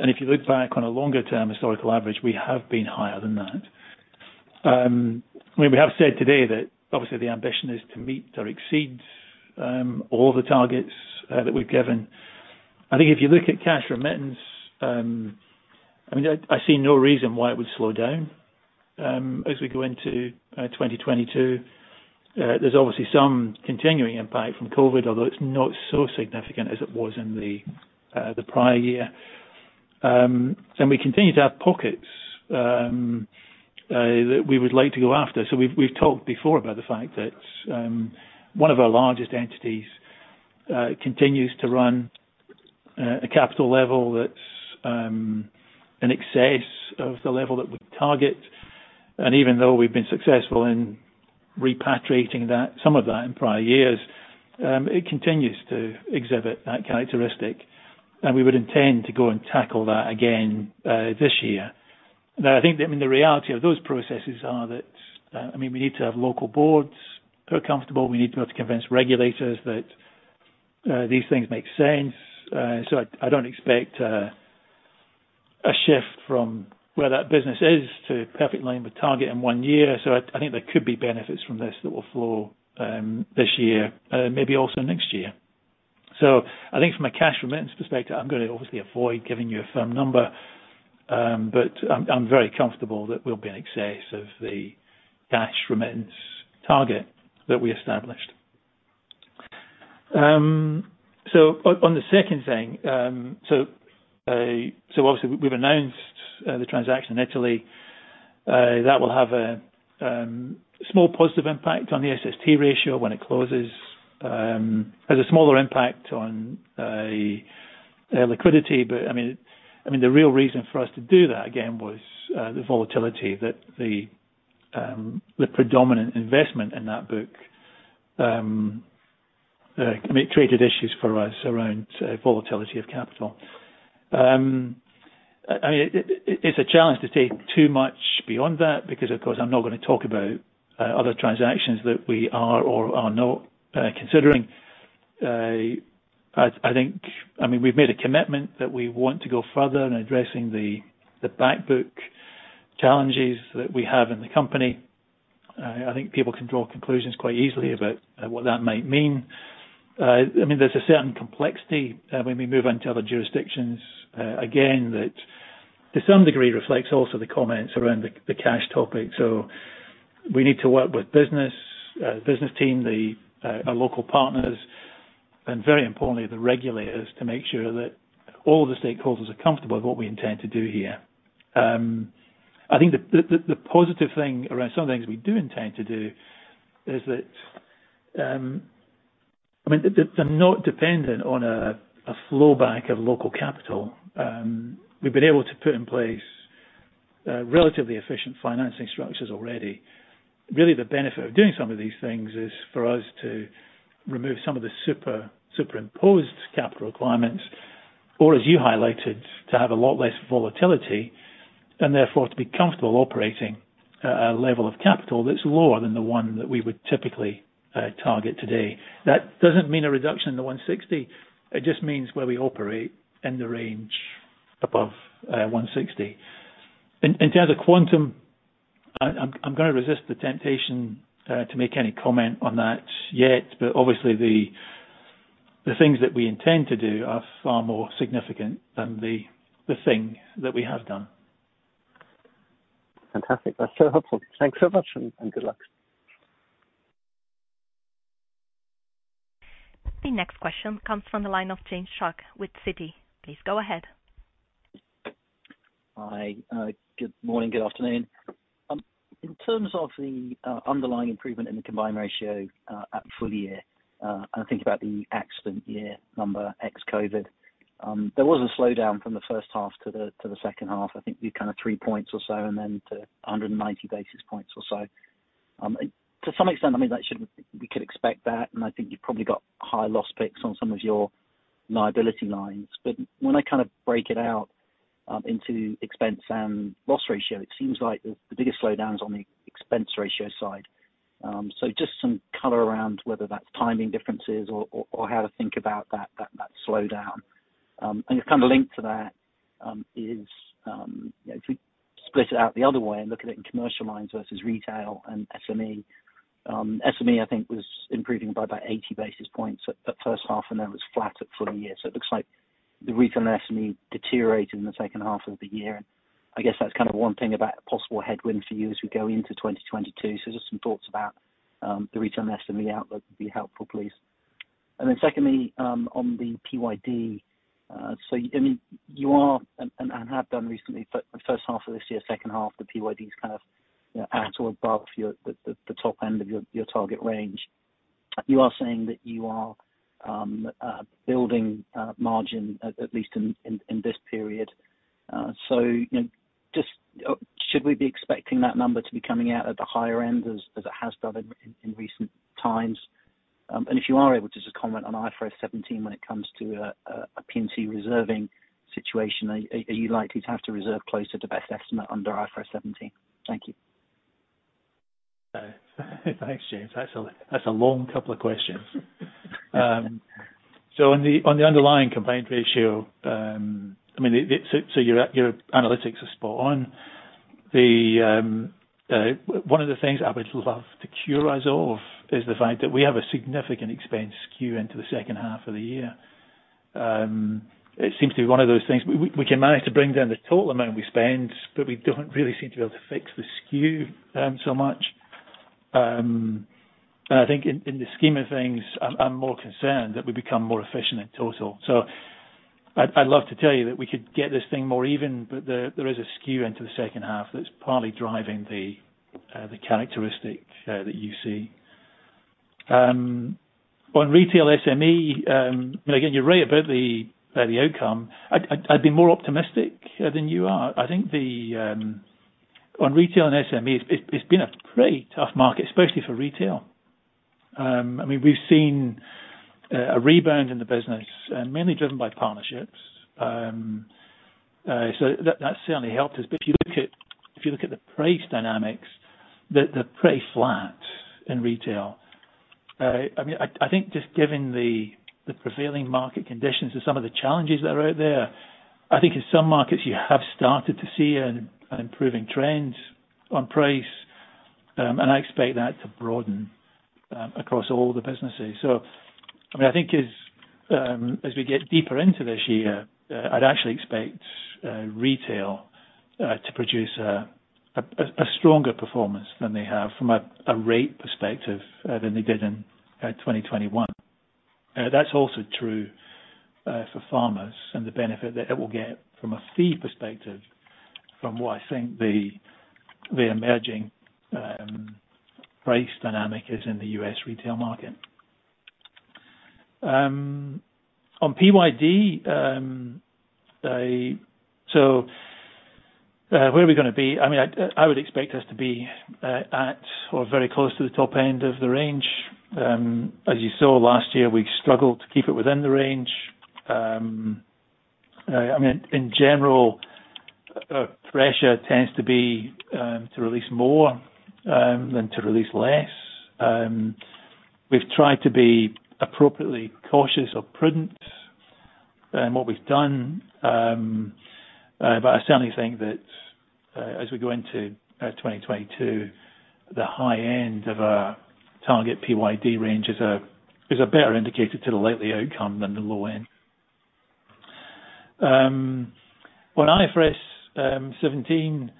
Speaker 4: If you look back on a longer term historical average, we have been higher than that. I mean, we have said today that obviously the ambition is to meet or exceed all the targets that we've given. I think if you look at cash remittance, I mean, I see no reason why it would slow down as we go into 2022. There's obviously some continuing impact from COVID, although it's not so significant as it was in the prior year. We continue to have pockets that we would like to go after. We've talked before about the fact that one of our largest entities continues to run a capital level that's in excess of the level that we target. Even though we've been successful in repatriating that, some of that in prior years, it continues to exhibit that characteristic, and we would intend to go and tackle that again this year. Now, I think, I mean, the reality of those processes are that, I mean, we need to have local boards who are comfortable. We need to be able to convince regulators that these things make sense. I don't expect a shift from where that business is to perfectly in with target in one year. I think there could be benefits from this that will flow this year, maybe also next year. I think from a cash remittance perspective, I'm gonna obviously avoid giving you a firm number, but I'm very comfortable that we'll be in excess of the cash remittance target that we established. On the second thing, obviously we've announced the transaction in Italy. That will have a small positive impact on the SST ratio when it closes. It has a smaller impact on liquidity. The real reason for us to do that again was the volatility that the predominant investment in that book created issues for us around volatility of capital. I mean, it's a challenge to say too much beyond that because, of course, I'm not gonna talk about other transactions that we are or are not considering. I think. I mean, we've made a commitment that we want to go further in addressing the back book challenges that we have in the company. I think people can draw conclusions quite easily about what that might mean. I mean, there's a certain complexity when we move into other jurisdictions, again, that to some degree reflects also the comments around the cash topic. We need to work with business team, our local partners, and very importantly, the regulators, to make sure that all the stakeholders are comfortable with what we intend to do here. I think the positive thing around some of the things we do intend to do is that, I mean, the, they're not dependent on a flow back of local capital. We've been able to put in place relatively efficient financing structures already. Really, the benefit of doing some of these things is for us to remove some of the super-superimposed capital requirements, or, as you highlighted, to have a lot less volatility and therefore to be comfortable operating a level of capital that's lower than the one that we would typically target today. That doesn't mean a reduction in the 160, it just means where we operate in the range above 160. In terms of quantum, I'm gonna resist the temptation to make any comment on that yet, but obviously the things that we intend to do are far more significant than the thing that we have done.
Speaker 10: Fantastic. That's so helpful. Thanks so much and good luck.
Speaker 1: The next question comes from the line of James Shuck with Citi. Please go ahead.
Speaker 11: Hi. Good morning, good afternoon. In terms of the underlying improvement in the combined ratio at full year, and I think about the accident year number ex COVID There was a slowdown from the first half to the second half. I think we're kind of three points or so, and then to 190 basis points or so. To some extent, I mean, we could expect that, and I think you probably got high loss picks on some of your liability lines. When I kind of break it out into expense and loss ratio, it seems like the biggest slowdown is on the expense ratio side. Just some color around whether that's timing differences or how to think about that slowdown. It's kind of linked to that, if we split it out the other way and look at it in commercial lines versus retail and SME. SME, I think, was improving by about 80 basis points at first half, and then was flat at full year. It looks like the retail and SME deteriorated in the second half of the year. I guess that's kind of one thing about a possible headwind for you as we go into 2022. Just some thoughts about the retail and SME outlook would be helpful, please. Then secondly, on the PYD. I mean, you are and have done recently for the first half of this year, second half, the PYD is kind of at or above the top end of your target range. You are saying that you are building margin at least in this period. You know, just, should we be expecting that number to be coming out at the higher end as it has done in recent times? If you are able to just comment on IFRS 17 when it comes to a P&C reserving situation, are you likely to have to reserve closer to best estimate under IFRS 17? Thank you.
Speaker 4: Thanks, James. That's a long couple of questions. On the underlying claims ratio, your analytics are spot on. One of the things I would love to cure ourselves is the fact that we have a significant expense skew into the second half of the year. It seems to be one of those things we can manage to bring down the total amount we spend, but we don't really seem to be able to fix the skew so much. I think in the scheme of things, I'm more concerned that we become more efficient in total. I'd love to tell you that we could get this thing more even, but there is a skew into the second half that's partly driving the characteristic that you see. On retail SME, you know, again, you're right about the outcome. I'd be more optimistic than you are. I think on retail and SME, it's been a pretty tough market, especially for retail. I mean, we've seen a rebound in the business and mainly driven by partnerships. That certainly helped us. If you look at the price dynamics, they're pretty flat in retail. I mean, I think just given the prevailing market conditions and some of the challenges that are out there, I think in some markets you have started to see an improving trend on price. I expect that to broaden across all the businesses. I mean, I think as we get deeper into this year, I'd actually expect retail to produce a stronger performance than they have from a rate perspective than they did in 2021. That's also true for Farmers and the benefit that it will get from a fee perspective from what I think the emerging price dynamic is in the U.S. retail market. On PYD, where are we gonna be? I mean, I would expect us to be at or very close to the top end of the range. As you saw last year, we struggled to keep it within the range. I mean, in general, pressure tends to be to release more than to release less. We've tried to be appropriately cautious or prudent in what we've done. But I certainly think that as we go into 2022, the high end of our target PYD range is a better indicator to the likely outcome than the low end. On IFRS 17,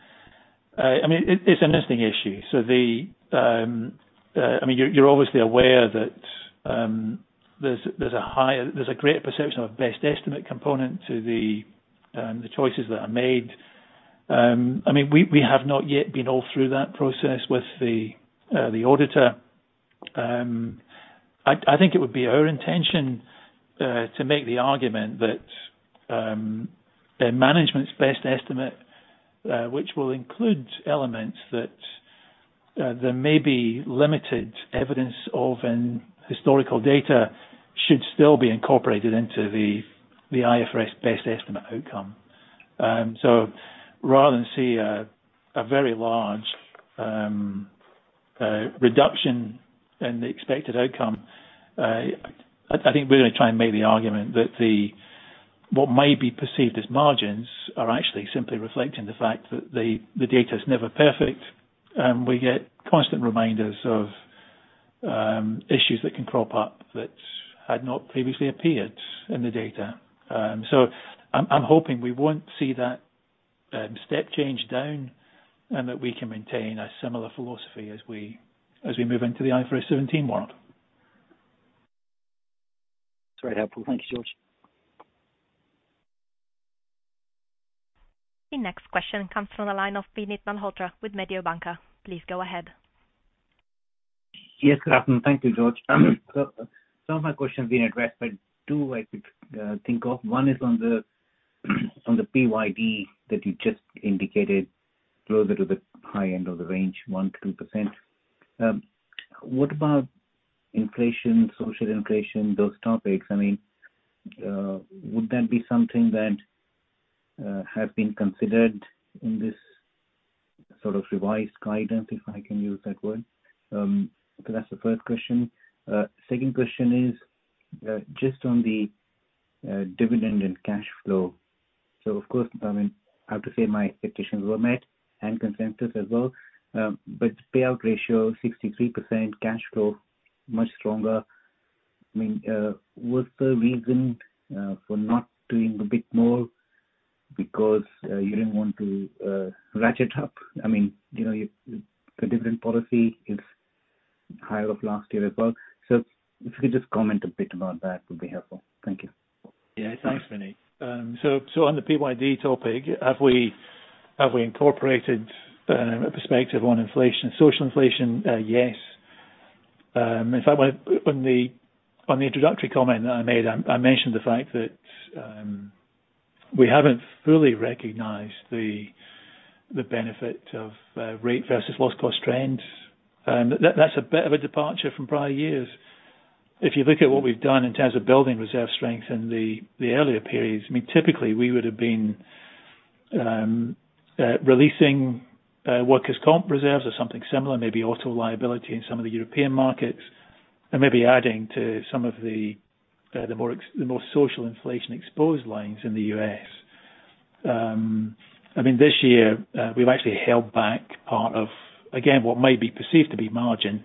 Speaker 4: I mean, it's an interesting issue. The, I mean, you're obviously aware that there's a great perception of a best estimate component to the choices that are made. I mean, we have not yet been all through that process with the auditor. I think it would be our intention to make the argument that the management's best estimate, which will include elements that there may be limited evidence of in historical data, should still be incorporated into the IFRS best estimate outcome. Rather than see a very large reduction in the expected outcome, I think we're gonna try and make the argument that what may be perceived as margins are actually simply reflecting the fact that the data is never perfect. We get constant reminders of issues that can crop up that had not previously appeared in the data. I'm hoping we won't see that step change down, and that we can maintain a similar philosophy as we move into the IFRS 17 world.
Speaker 11: It's very helpful. Thank you, George.
Speaker 1: The next question comes from the line of Vinit Malhotra with Mediobanca. Please go ahead.
Speaker 12: Yes. Good afternoon. Thank you, George. Some of my questions have been addressed, but two I could think of. One is on the PYD that you just indicated closer to the high end of the range, 1%-2%. What about inflation, social inflation, those topics? I mean, would that be something that have been considered in this sort of revised guidance, if I can use that word? That's the first question. Second question is just on the dividend and cash flow. Of course, I mean, I have to say my expectations were met and consensus as well. Payout ratio 63%, cash flow much stronger. I mean, was the reason for not doing a bit more because you didn't want to ratchet up? I mean, you know, the dividend policy is higher than last year as well. If you could just comment a bit about that would be helpful. Thank you.
Speaker 4: Yeah. Thanks, Vinit. On the PYD topic, have we incorporated a perspective on inflation, social inflation? Yes. In fact, when the introductory comment that I made, I mentioned the fact that we haven't fully recognized the benefit of rate versus loss cost trends. That's a bit of a departure from prior years. If you look at what we've done in terms of building reserve strength in the earlier periods, I mean, typically we would've been releasing workers' comp reserves or something similar, maybe auto liability in some of the European markets, and maybe adding to some of the more social inflation exposed lines in the U.S. I mean, this year, we've actually held back part of, again, what may be perceived to be margin,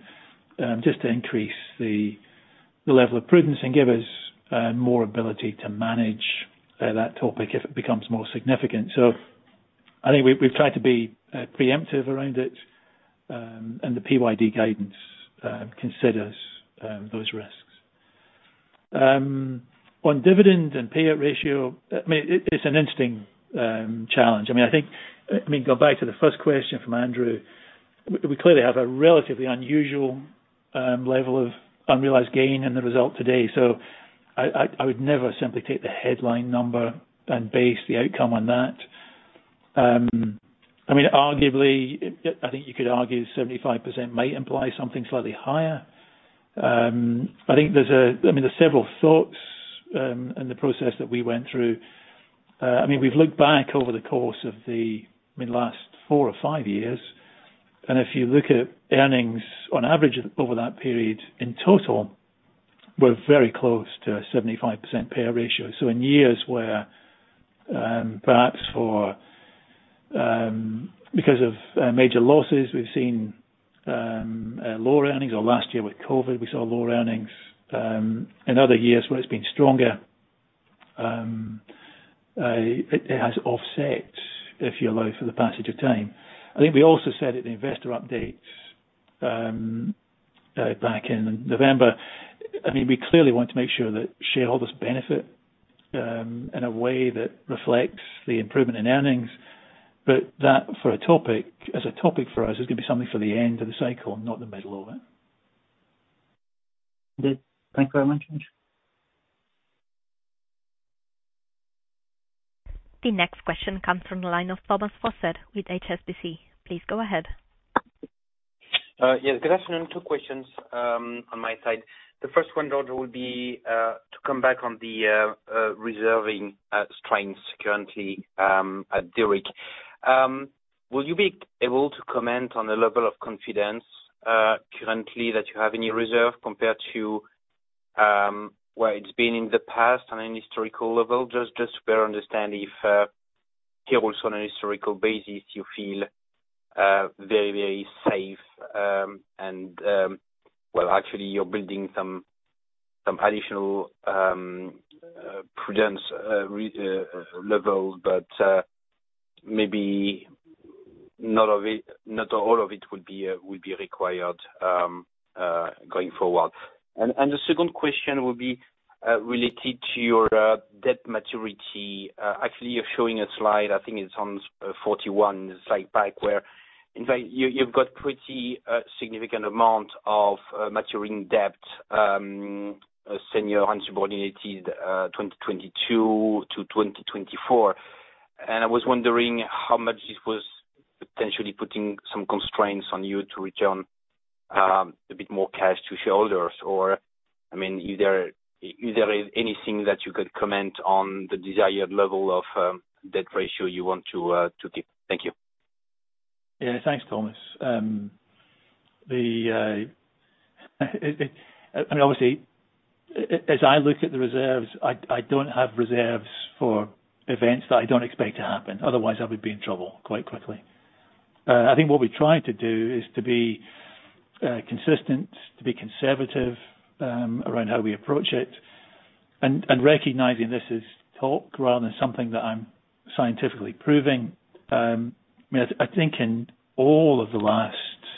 Speaker 4: just to increase the level of prudence and give us more ability to manage that topic if it becomes more significant. I think we've tried to be preemptive around it. The PYD guidance considers those risks. On dividend and payout ratio, I mean, it's an interesting challenge. I mean, I think go back to the first question from Andrew. We clearly have a relatively unusual level of unrealized gain in the result today. I would never simply take the headline number and base the outcome on that. I mean, arguably, I think you could argue 75% might imply something slightly higher. I think there's a... I mean, there are several thoughts in the process that we went through. I mean, we've looked back over the course of the last four or five years, and if you look at earnings on average over that period, in total, we're very close to a 75% payout ratio. In years where perhaps because of major losses, we've seen lower earnings, or last year with COVID we saw lower earnings. In other years where it's been stronger, it has offset, if you allow for the passage of time. I think we also said at the investor update back in November. I mean, we clearly want to make sure that shareholders benefit in a way that reflects the improvement in earnings. That, for a topic as a topic for us, is gonna be something for the end of the cycle, not the middle of it.
Speaker 12: Okay. Thank you very much.
Speaker 1: The next question comes from the line of Thomas Fossard with HSBC. Please go ahead.
Speaker 13: Yeah, good afternoon. Two questions on my side. The first one, George, would be to come back on the reserving strengths currently at Direct. Will you be able to comment on the level of confidence currently that you have in your reserve compared to where it's been in the past on an historical level? Just to better understand if here also on a historical basis you feel very safe and well, actually you're building some additional prudence level, but maybe not all of it will be required going forward. The second question will be related to your debt maturity. Actually, you're showing a slide, I think it's on slide 41, where in fact you've got a pretty significant amount of maturing debt, senior unsubordinated, 2022-2024. I was wondering how much this was potentially putting some constraints on you to return a bit more cash to shareholders. I mean, is there anything that you could comment on the desired level of debt ratio you want to keep? Thank you.
Speaker 4: Yeah. Thanks, Thomas. I mean, obviously, as I look at the reserves, I don't have reserves for events that I don't expect to happen, otherwise I would be in trouble quite quickly. I think what we try to do is to be consistent, to be conservative, around how we approach it. Recognizing this is talk rather than something that I'm scientifically proving. I mean, I think in all of the last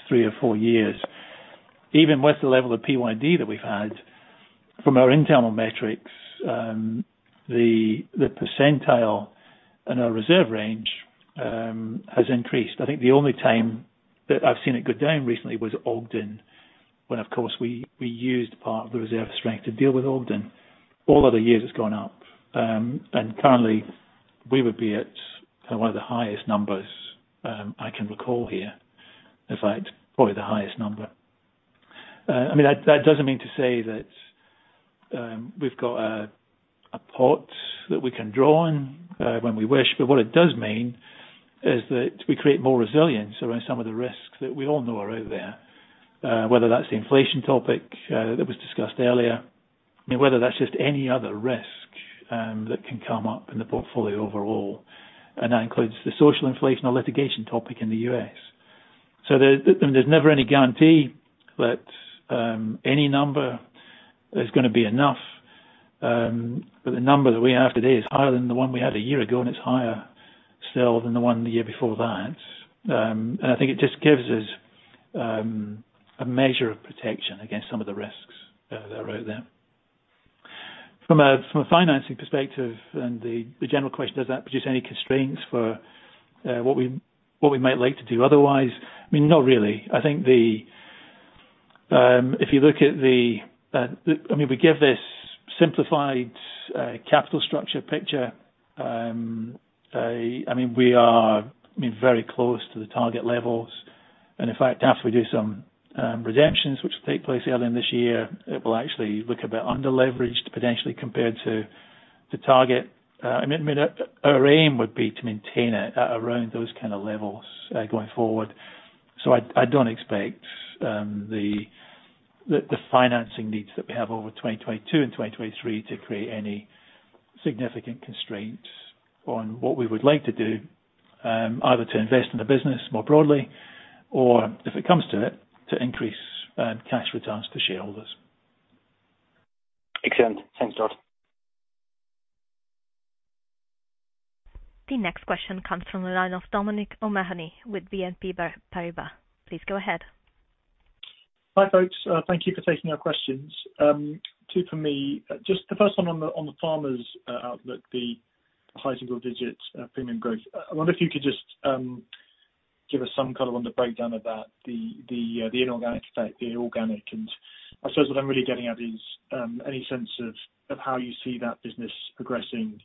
Speaker 4: three or four years, even with the level of PYD that we've had, from our internal metrics, the percentile and our reserve range has increased. I think the only time that I've seen it go down recently was Ogden, when, of course, we used part of the reserve strength to deal with Ogden. All other years it's gone up. Currently we would be at one of the highest numbers I can recall here. In fact, probably the highest number. I mean, that doesn't mean to say that we've got a pot that we can draw on when we wish, but what it does mean is that we create more resilience around some of the risks that we all know are out there. Whether that's the inflation topic that was discussed earlier. I mean, whether that's just any other risk that can come up in the portfolio overall, and that includes the social inflation or litigation topic in the U.S. There's never any guarantee that any number is gonna be enough, but the number that we have today is higher than the one we had a year ago, and it's higher still than the one the year before that. I think it just gives us a measure of protection against some of the risks that are out there. From a financing perspective and the general question, does that produce any constraints for what we might like to do otherwise? I mean, not really. I think if you look at the, I mean, we are, I mean, very close to the target levels. In fact, after we do some redemptions which will take place earlier in this year, it will actually look a bit under leveraged potentially compared to target. I mean our aim would be to maintain it around those kinda levels going forward. I don't expect the financing needs that we have over 2022 and 2023 to create any significant constraints on what we would like to do, either to invest in the business more broadly or, if it comes to it, to increase cash returns for shareholders.
Speaker 13: Excellent. Thanks, George.
Speaker 1: The next question comes from the line of Dominic O'Mahony with BNP Paribas. Please go ahead.
Speaker 14: Hi, folks. Thank you for taking our questions. Two for me. Just the first one on the Farmers outlook, the high single digits premium growth. I wonder if you could just give us some color on the breakdown of that, the inorganic effect, the organic. I suppose what I'm really getting at is any sense of how you see that business progressing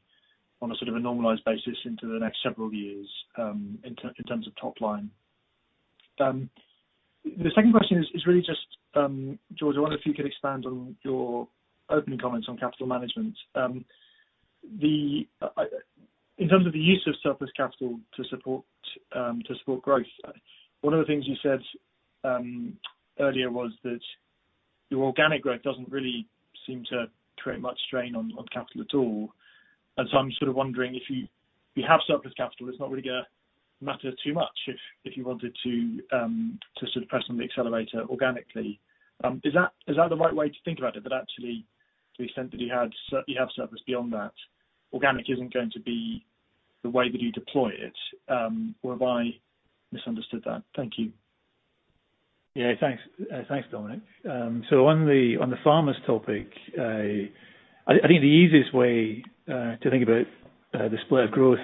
Speaker 14: on a sort of a normalized basis into the next several years, in terms of top line. The second question is really just George. I wonder if you could expand on your opening comments on capital management. In terms of the use of surplus capital to support growth. One of the things you said earlier was that your organic growth doesn't really seem to create much strain on capital at all. I'm sort of wondering if you have surplus capital, it's not really gonna matter too much if you wanted to sort of press on the accelerator organically. Is that the right way to think about it? That actually, to the extent that you have surplus beyond that, organic isn't going to be the way that you deploy it. Have I misunderstood that? Thank you.
Speaker 4: Yeah, thanks. Thanks, Dominic. On the Farmers topic, I think the easiest way to think about the split of growth.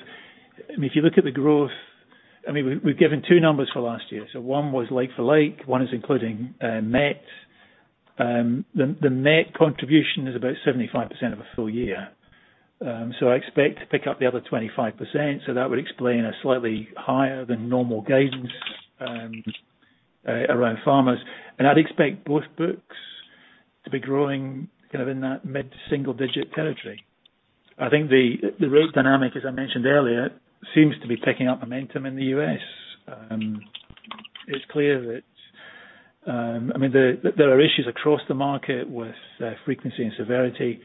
Speaker 4: I mean, if you look at the growth, I mean, we've given two numbers for last year. One was like for like, one is including net. The net contribution is about 75% of a full year. I expect to pick up the other 25%, so that would explain a slightly higher than normal gains around Farmers. I'd expect both books to be growing kind of in that mid- to single-digit territory. I think the rate dynamic, as I mentioned earlier, seems to be picking up momentum in the U.S. It's clear that, I mean, there are issues across the market with frequency and severity.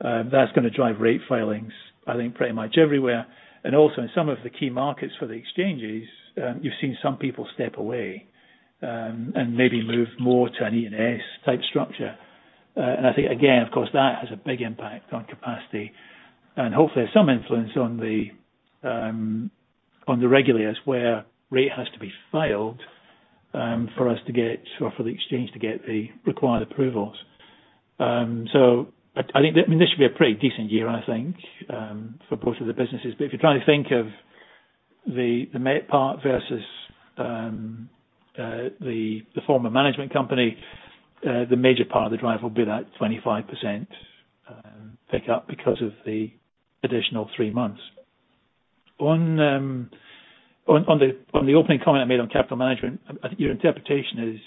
Speaker 4: That's gonna drive rate filings, I think, pretty much everywhere. Also in some of the key markets for the exchanges, you've seen some people step away and maybe move more to an E&S type structure. I think again, of course, that has a big impact on capacity and hopefully some influence on the regulators where rate has to be filed for us to get, or for the exchange to get, the required approvals. I think, I mean, this should be a pretty decent year, I think, for both of the businesses. If you're trying to think of the net part versus the former management company, the major part of the drive will be that 25% pick up because of the additional three months. On the opening comment I made on capital management, I think your interpretation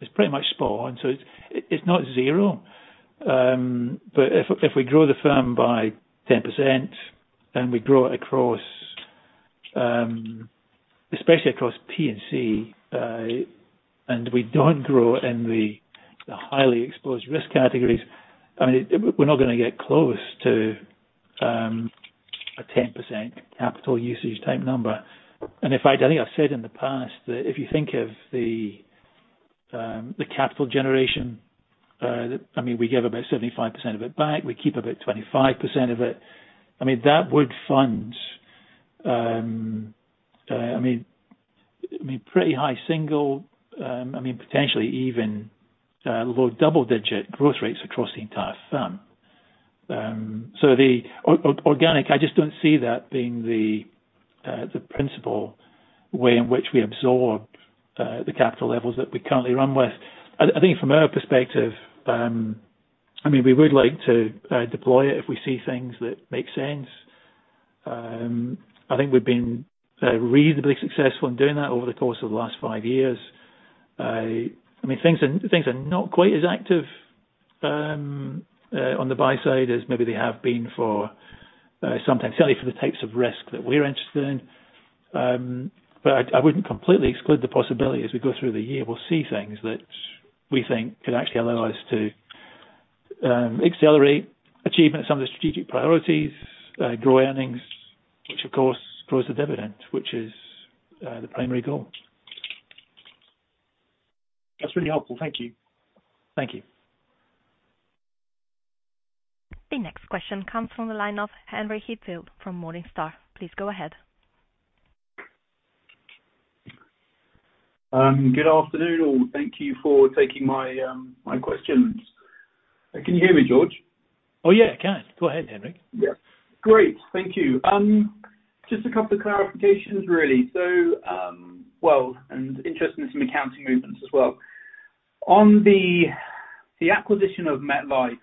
Speaker 4: is pretty much spot on. It's not zero. If we grow the firm by 10% and we grow it across especially across P&C and we don't grow in the highly exposed risk categories, I mean, we're not gonna get close to a 10% capital usage type number. In fact, I think I've said in the past that if you think of the capital generation that... I mean, we give about 75% of it back. We keep about 25% of it. I mean, that would fund pretty high single-digit, I mean, potentially even low double-digit growth rates across the entire firm. So the organic, I just don't see that being the principal way in which we absorb the capital levels that we currently run with. I think from our perspective, I mean, we would like to deploy it if we see things that make sense. I think we've been reasonably successful in doing that over the course of the last five years. I mean, things are not quite as active on the buy side as maybe they have been for some time. Certainly for the types of risk that we're interested in. I wouldn't completely exclude the possibility as we go through the year, we'll see things that we think could actually allow us to accelerate achievement of some of the strategic priorities, grow earnings, which of course grows the dividend, which is the primary goal.
Speaker 14: That's really helpful. Thank you.
Speaker 4: Thank you.
Speaker 1: The next question comes from the line of Henry Heathfield from Morningstar. Please go ahead.
Speaker 15: Good afternoon, all. Thank you for taking my questions. Can you hear me, George?
Speaker 4: Oh, yeah, I can. Go ahead, Henry.
Speaker 15: Yeah. Great. Thank you. Just a couple of clarifications, really. Interested in some accounting movements as well. On the acquisition of MetLife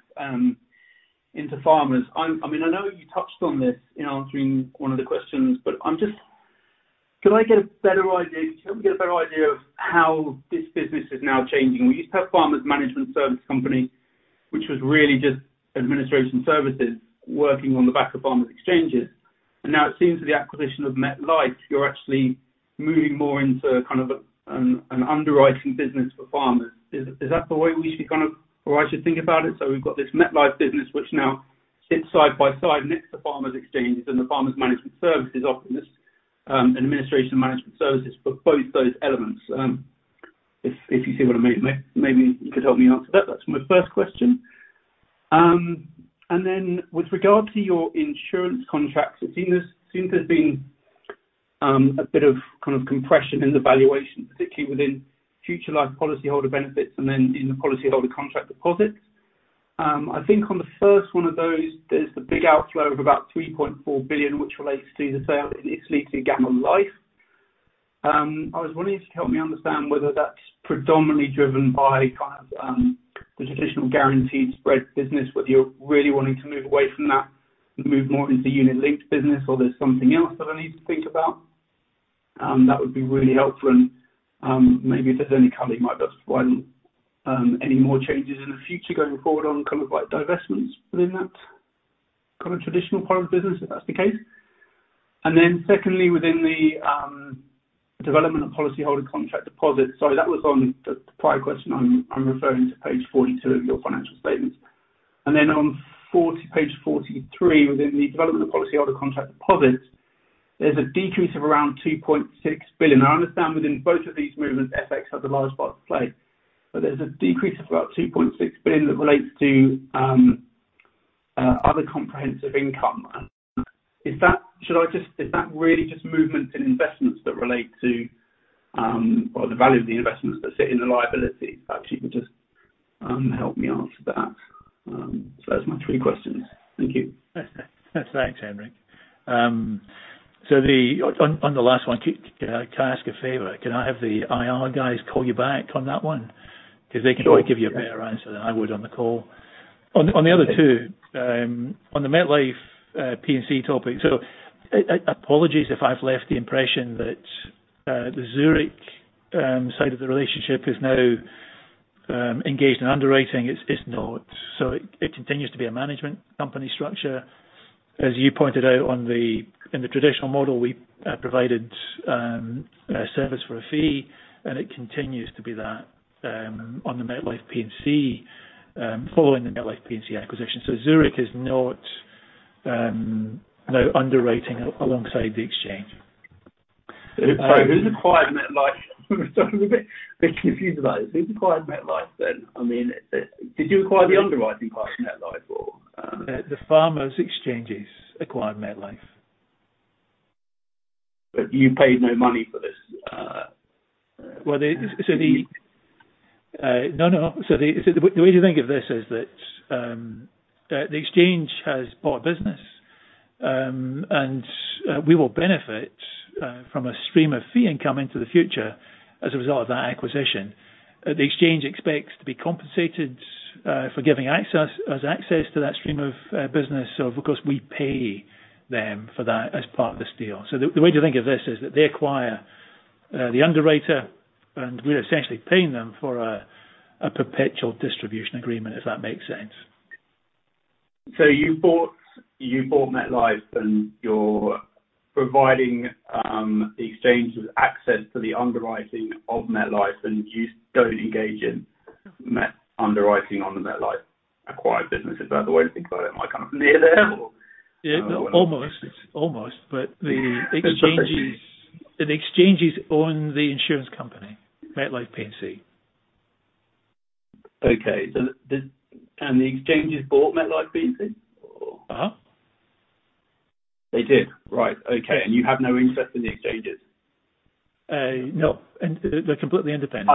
Speaker 15: into Farmers, I mean, I know you touched on this in answering one of the questions, but can we get a better idea of how this business is now changing? We used to have Farmers Management Services company, which was really just administration services working on the back of Farmers Exchanges. Now it seems with the acquisition of MetLife, you're actually moving more into kind of an underwriting business for Farmers. Is that the way we should kind of or I should think about it? We've got this MetLife business which now sits side by side next to Farmers Exchanges and the Farmers Management Services offering this, an administration management services for both those elements. If you see what I mean. Maybe you could help me answer that. That's my first question. With regard to your insurance contracts, it seems there's been a bit of kind of compression in the valuation, particularly within future life policyholder benefits and then in the policyholder contract deposits. I think on the first one of those, there's the big outflow of about $3.4 billion, which relates to the sale in its Italy to GamaLife. I was wondering if you could help me understand whether that's predominantly driven by kind of the traditional guaranteed spread business, whether you're really wanting to move away from that and move more into unit linked business, or there's something else that I need to think about. That would be really helpful and maybe if there's any color you might be able to provide on any more changes in the future going forward on kind of like divestments within that kind of traditional part of the business, if that's the case. Then secondly, sorry, that was on the prior question. I'm referring to page 42 of your financial statements. Then on page 40, page 43, within the development of policyholder contract deposits, there's a decrease of around $2.6 billion. I understand within both of these movements, FX has a large part to play. There's a decrease of about 2.6 billion that relates to other comprehensive income. Is that really just movement in investments that relate to the value of the investments that sit in the liability? Perhaps you could just help me answer that. That's my three questions. Thank you.
Speaker 4: Thanks, Henry. On the last one, can I ask a favor? Can I have the IR guys call you back on that one?
Speaker 15: Sure.
Speaker 4: 'Cause they can probably give you a better answer than I would on the call.
Speaker 15: Okay.
Speaker 4: On the other two, on the MetLife P&C topic. Apologies if I've left the impression that the Zurich side of the relationship is now engaged in underwriting. It's not. It continues to be a management company structure. As you pointed out, in the traditional model, we provided a service for a fee, and it continues to be that on the MetLife P&C following the MetLife P&C acquisition. Zurich is not now underwriting alongside the exchange.
Speaker 15: Who's acquired MetLife? I'm a bit confused about this. Who's acquired MetLife then? I mean, did you acquire the underwriting part of MetLife or
Speaker 4: The Farmers Exchanges acquired MetLife.
Speaker 15: You paid no money for this?
Speaker 4: The way to think of this is that the exchange has bought business, and we will benefit from a stream of fee income into the future as a result of that acquisition. The exchange expects to be compensated for giving us access to that stream of business. Of course, we pay them for that as part of this deal. The way to think of this is that they acquire the underwriter, and we're essentially paying them for a perpetual distribution agreement, if that makes sense.
Speaker 15: You bought MetLife, and you're providing the exchanges access to the underwriting of MetLife, and you don't engage in Met underwriting on the MetLife acquired business. Is that the way to think about it? Am I kind of near there or
Speaker 4: Almost. The exchanges own the insurance company, MetLife P&C.
Speaker 15: The Exchanges bought MetLife P&C?
Speaker 4: Uh-huh.
Speaker 15: They did. Right. Okay. You have no interest in the exchanges?
Speaker 4: No. They're completely independent.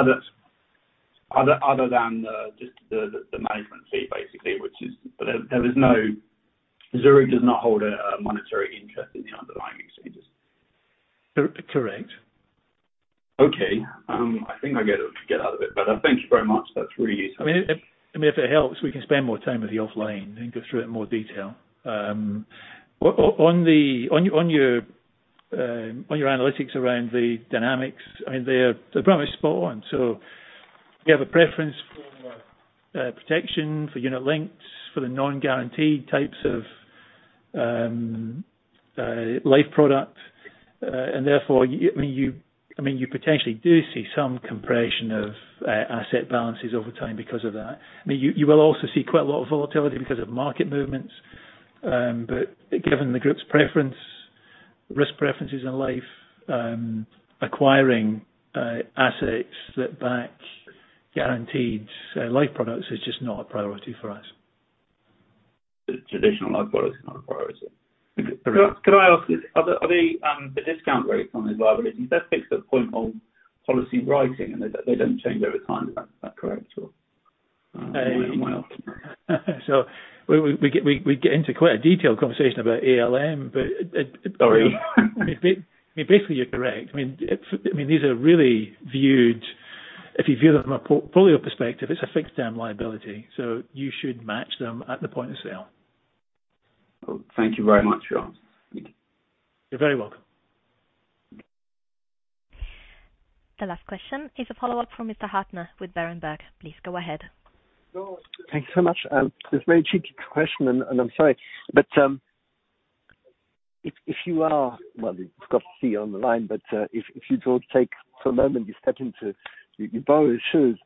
Speaker 15: Other than just the management fee basically, Zurich does not hold a monetary interest in the underlying exchanges.
Speaker 4: Cor-correct.
Speaker 15: Okay. I think I get it out of it. Thank you very much. That's really useful.
Speaker 4: I mean, if it helps, we can spend more time with you offline and go through it in more detail. On your analytics around the dynamics, I mean, they're probably spot on. We have a preference for protection, for unit links, for the non-guaranteed types of life product. Therefore, I mean, you potentially do see some compression of asset balances over time because of that. I mean, you will also see quite a lot of volatility because of market movements. Given the group's preference, risk preferences in life, acquiring assets that back guaranteed life products is just not a priority for us.
Speaker 15: The traditional life product is not a priority.
Speaker 4: Correct.
Speaker 15: Can I ask this? Are the discount rates on these liabilities that's fixed at point of policy writing, and they don't change over time. Is that correct or?
Speaker 4: We get into quite a detailed conversation about ALM, but.
Speaker 15: Sorry.
Speaker 4: I mean, basically, you're correct. I mean, these are really viewed. If you view them from a portfolio perspective, it's a fixed term liability, so you should match them at the point of sale.
Speaker 15: Thank you very much for your answer. Thank you.
Speaker 4: You're very welcome.
Speaker 1: The last question is a follow-up from Mr. Huttner with Berenberg. Please go ahead.
Speaker 10: Thank you so much. This is a very cheeky question and I'm sorry. If you sort of take for a moment, you step into, you borrow the shoes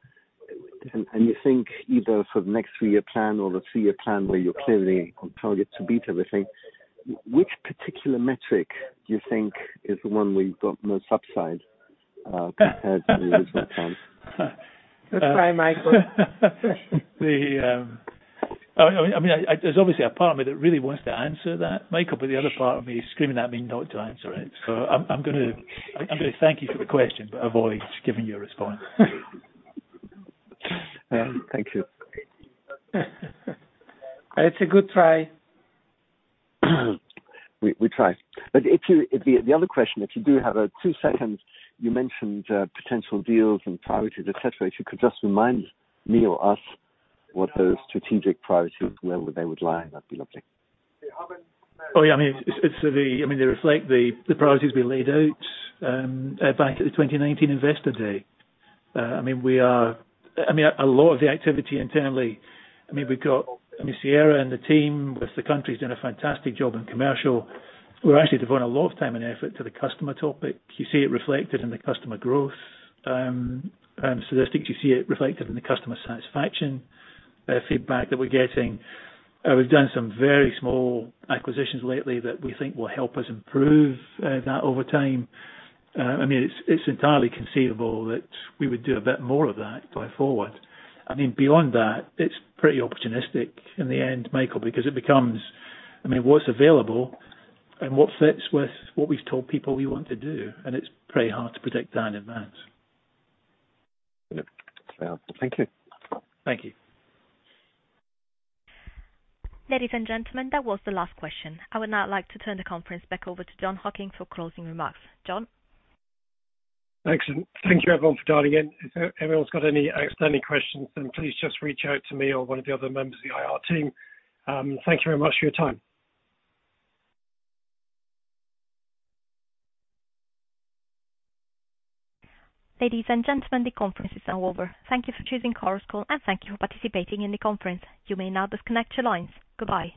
Speaker 10: and you think either for the next three-year plan or the three-year plan where you're clearly on target to beat everything, which particular metric do you think is the one where you've got most upside, compared to the original plan?
Speaker 3: Good try, Michael.
Speaker 4: I mean, there's obviously a part of me that really wants to answer that, Michael, but the other part of me is screaming at me not to answer it. I'm gonna thank you for the question, but avoid giving you a response.
Speaker 10: Thank you.
Speaker 3: It's a good try.
Speaker 10: We tried. The other question, if you do have two seconds, you mentioned potential deals and priorities, et cetera. If you could just remind me or us what those strategic priorities, where they would lie, that'd be lovely.
Speaker 4: Oh, yeah. I mean, it's the priorities we laid out back at the 2019 investor day. I mean, a lot of the activity internally, we've got Sierra and the team within the countries have done a fantastic job in Commercial. We're actually devoting a lot of time and effort to the customer topic. You see it reflected in the customer growth statistics. You see it reflected in the customer satisfaction feedback that we're getting. We've done some very small acquisitions lately that we think will help us improve that over time. I mean, it's entirely conceivable that we would do a bit more of that going forward. I mean, beyond that, it's pretty opportunistic in the end, Michael, because it becomes, I mean, what's available and what fits with what we've told people we want to do, and it's pretty hard to predict that in advance.
Speaker 10: Yeah. Thank you.
Speaker 4: Thank you.
Speaker 1: Ladies and gentlemen, that was the last question. I would now like to turn the conference back over to Jon Hocking for closing remarks. Jon?
Speaker 2: Thanks and thank you everyone for dialing in. If everyone's got any outstanding questions, then please just reach out to me or one of the other members of the IR team. Thank you very much for your time.
Speaker 1: Ladies and gentlemen, the conference is now over. Thank you for choosing Chorus Call, and thank you for participating in the conference. You may now disconnect your lines. Goodbye.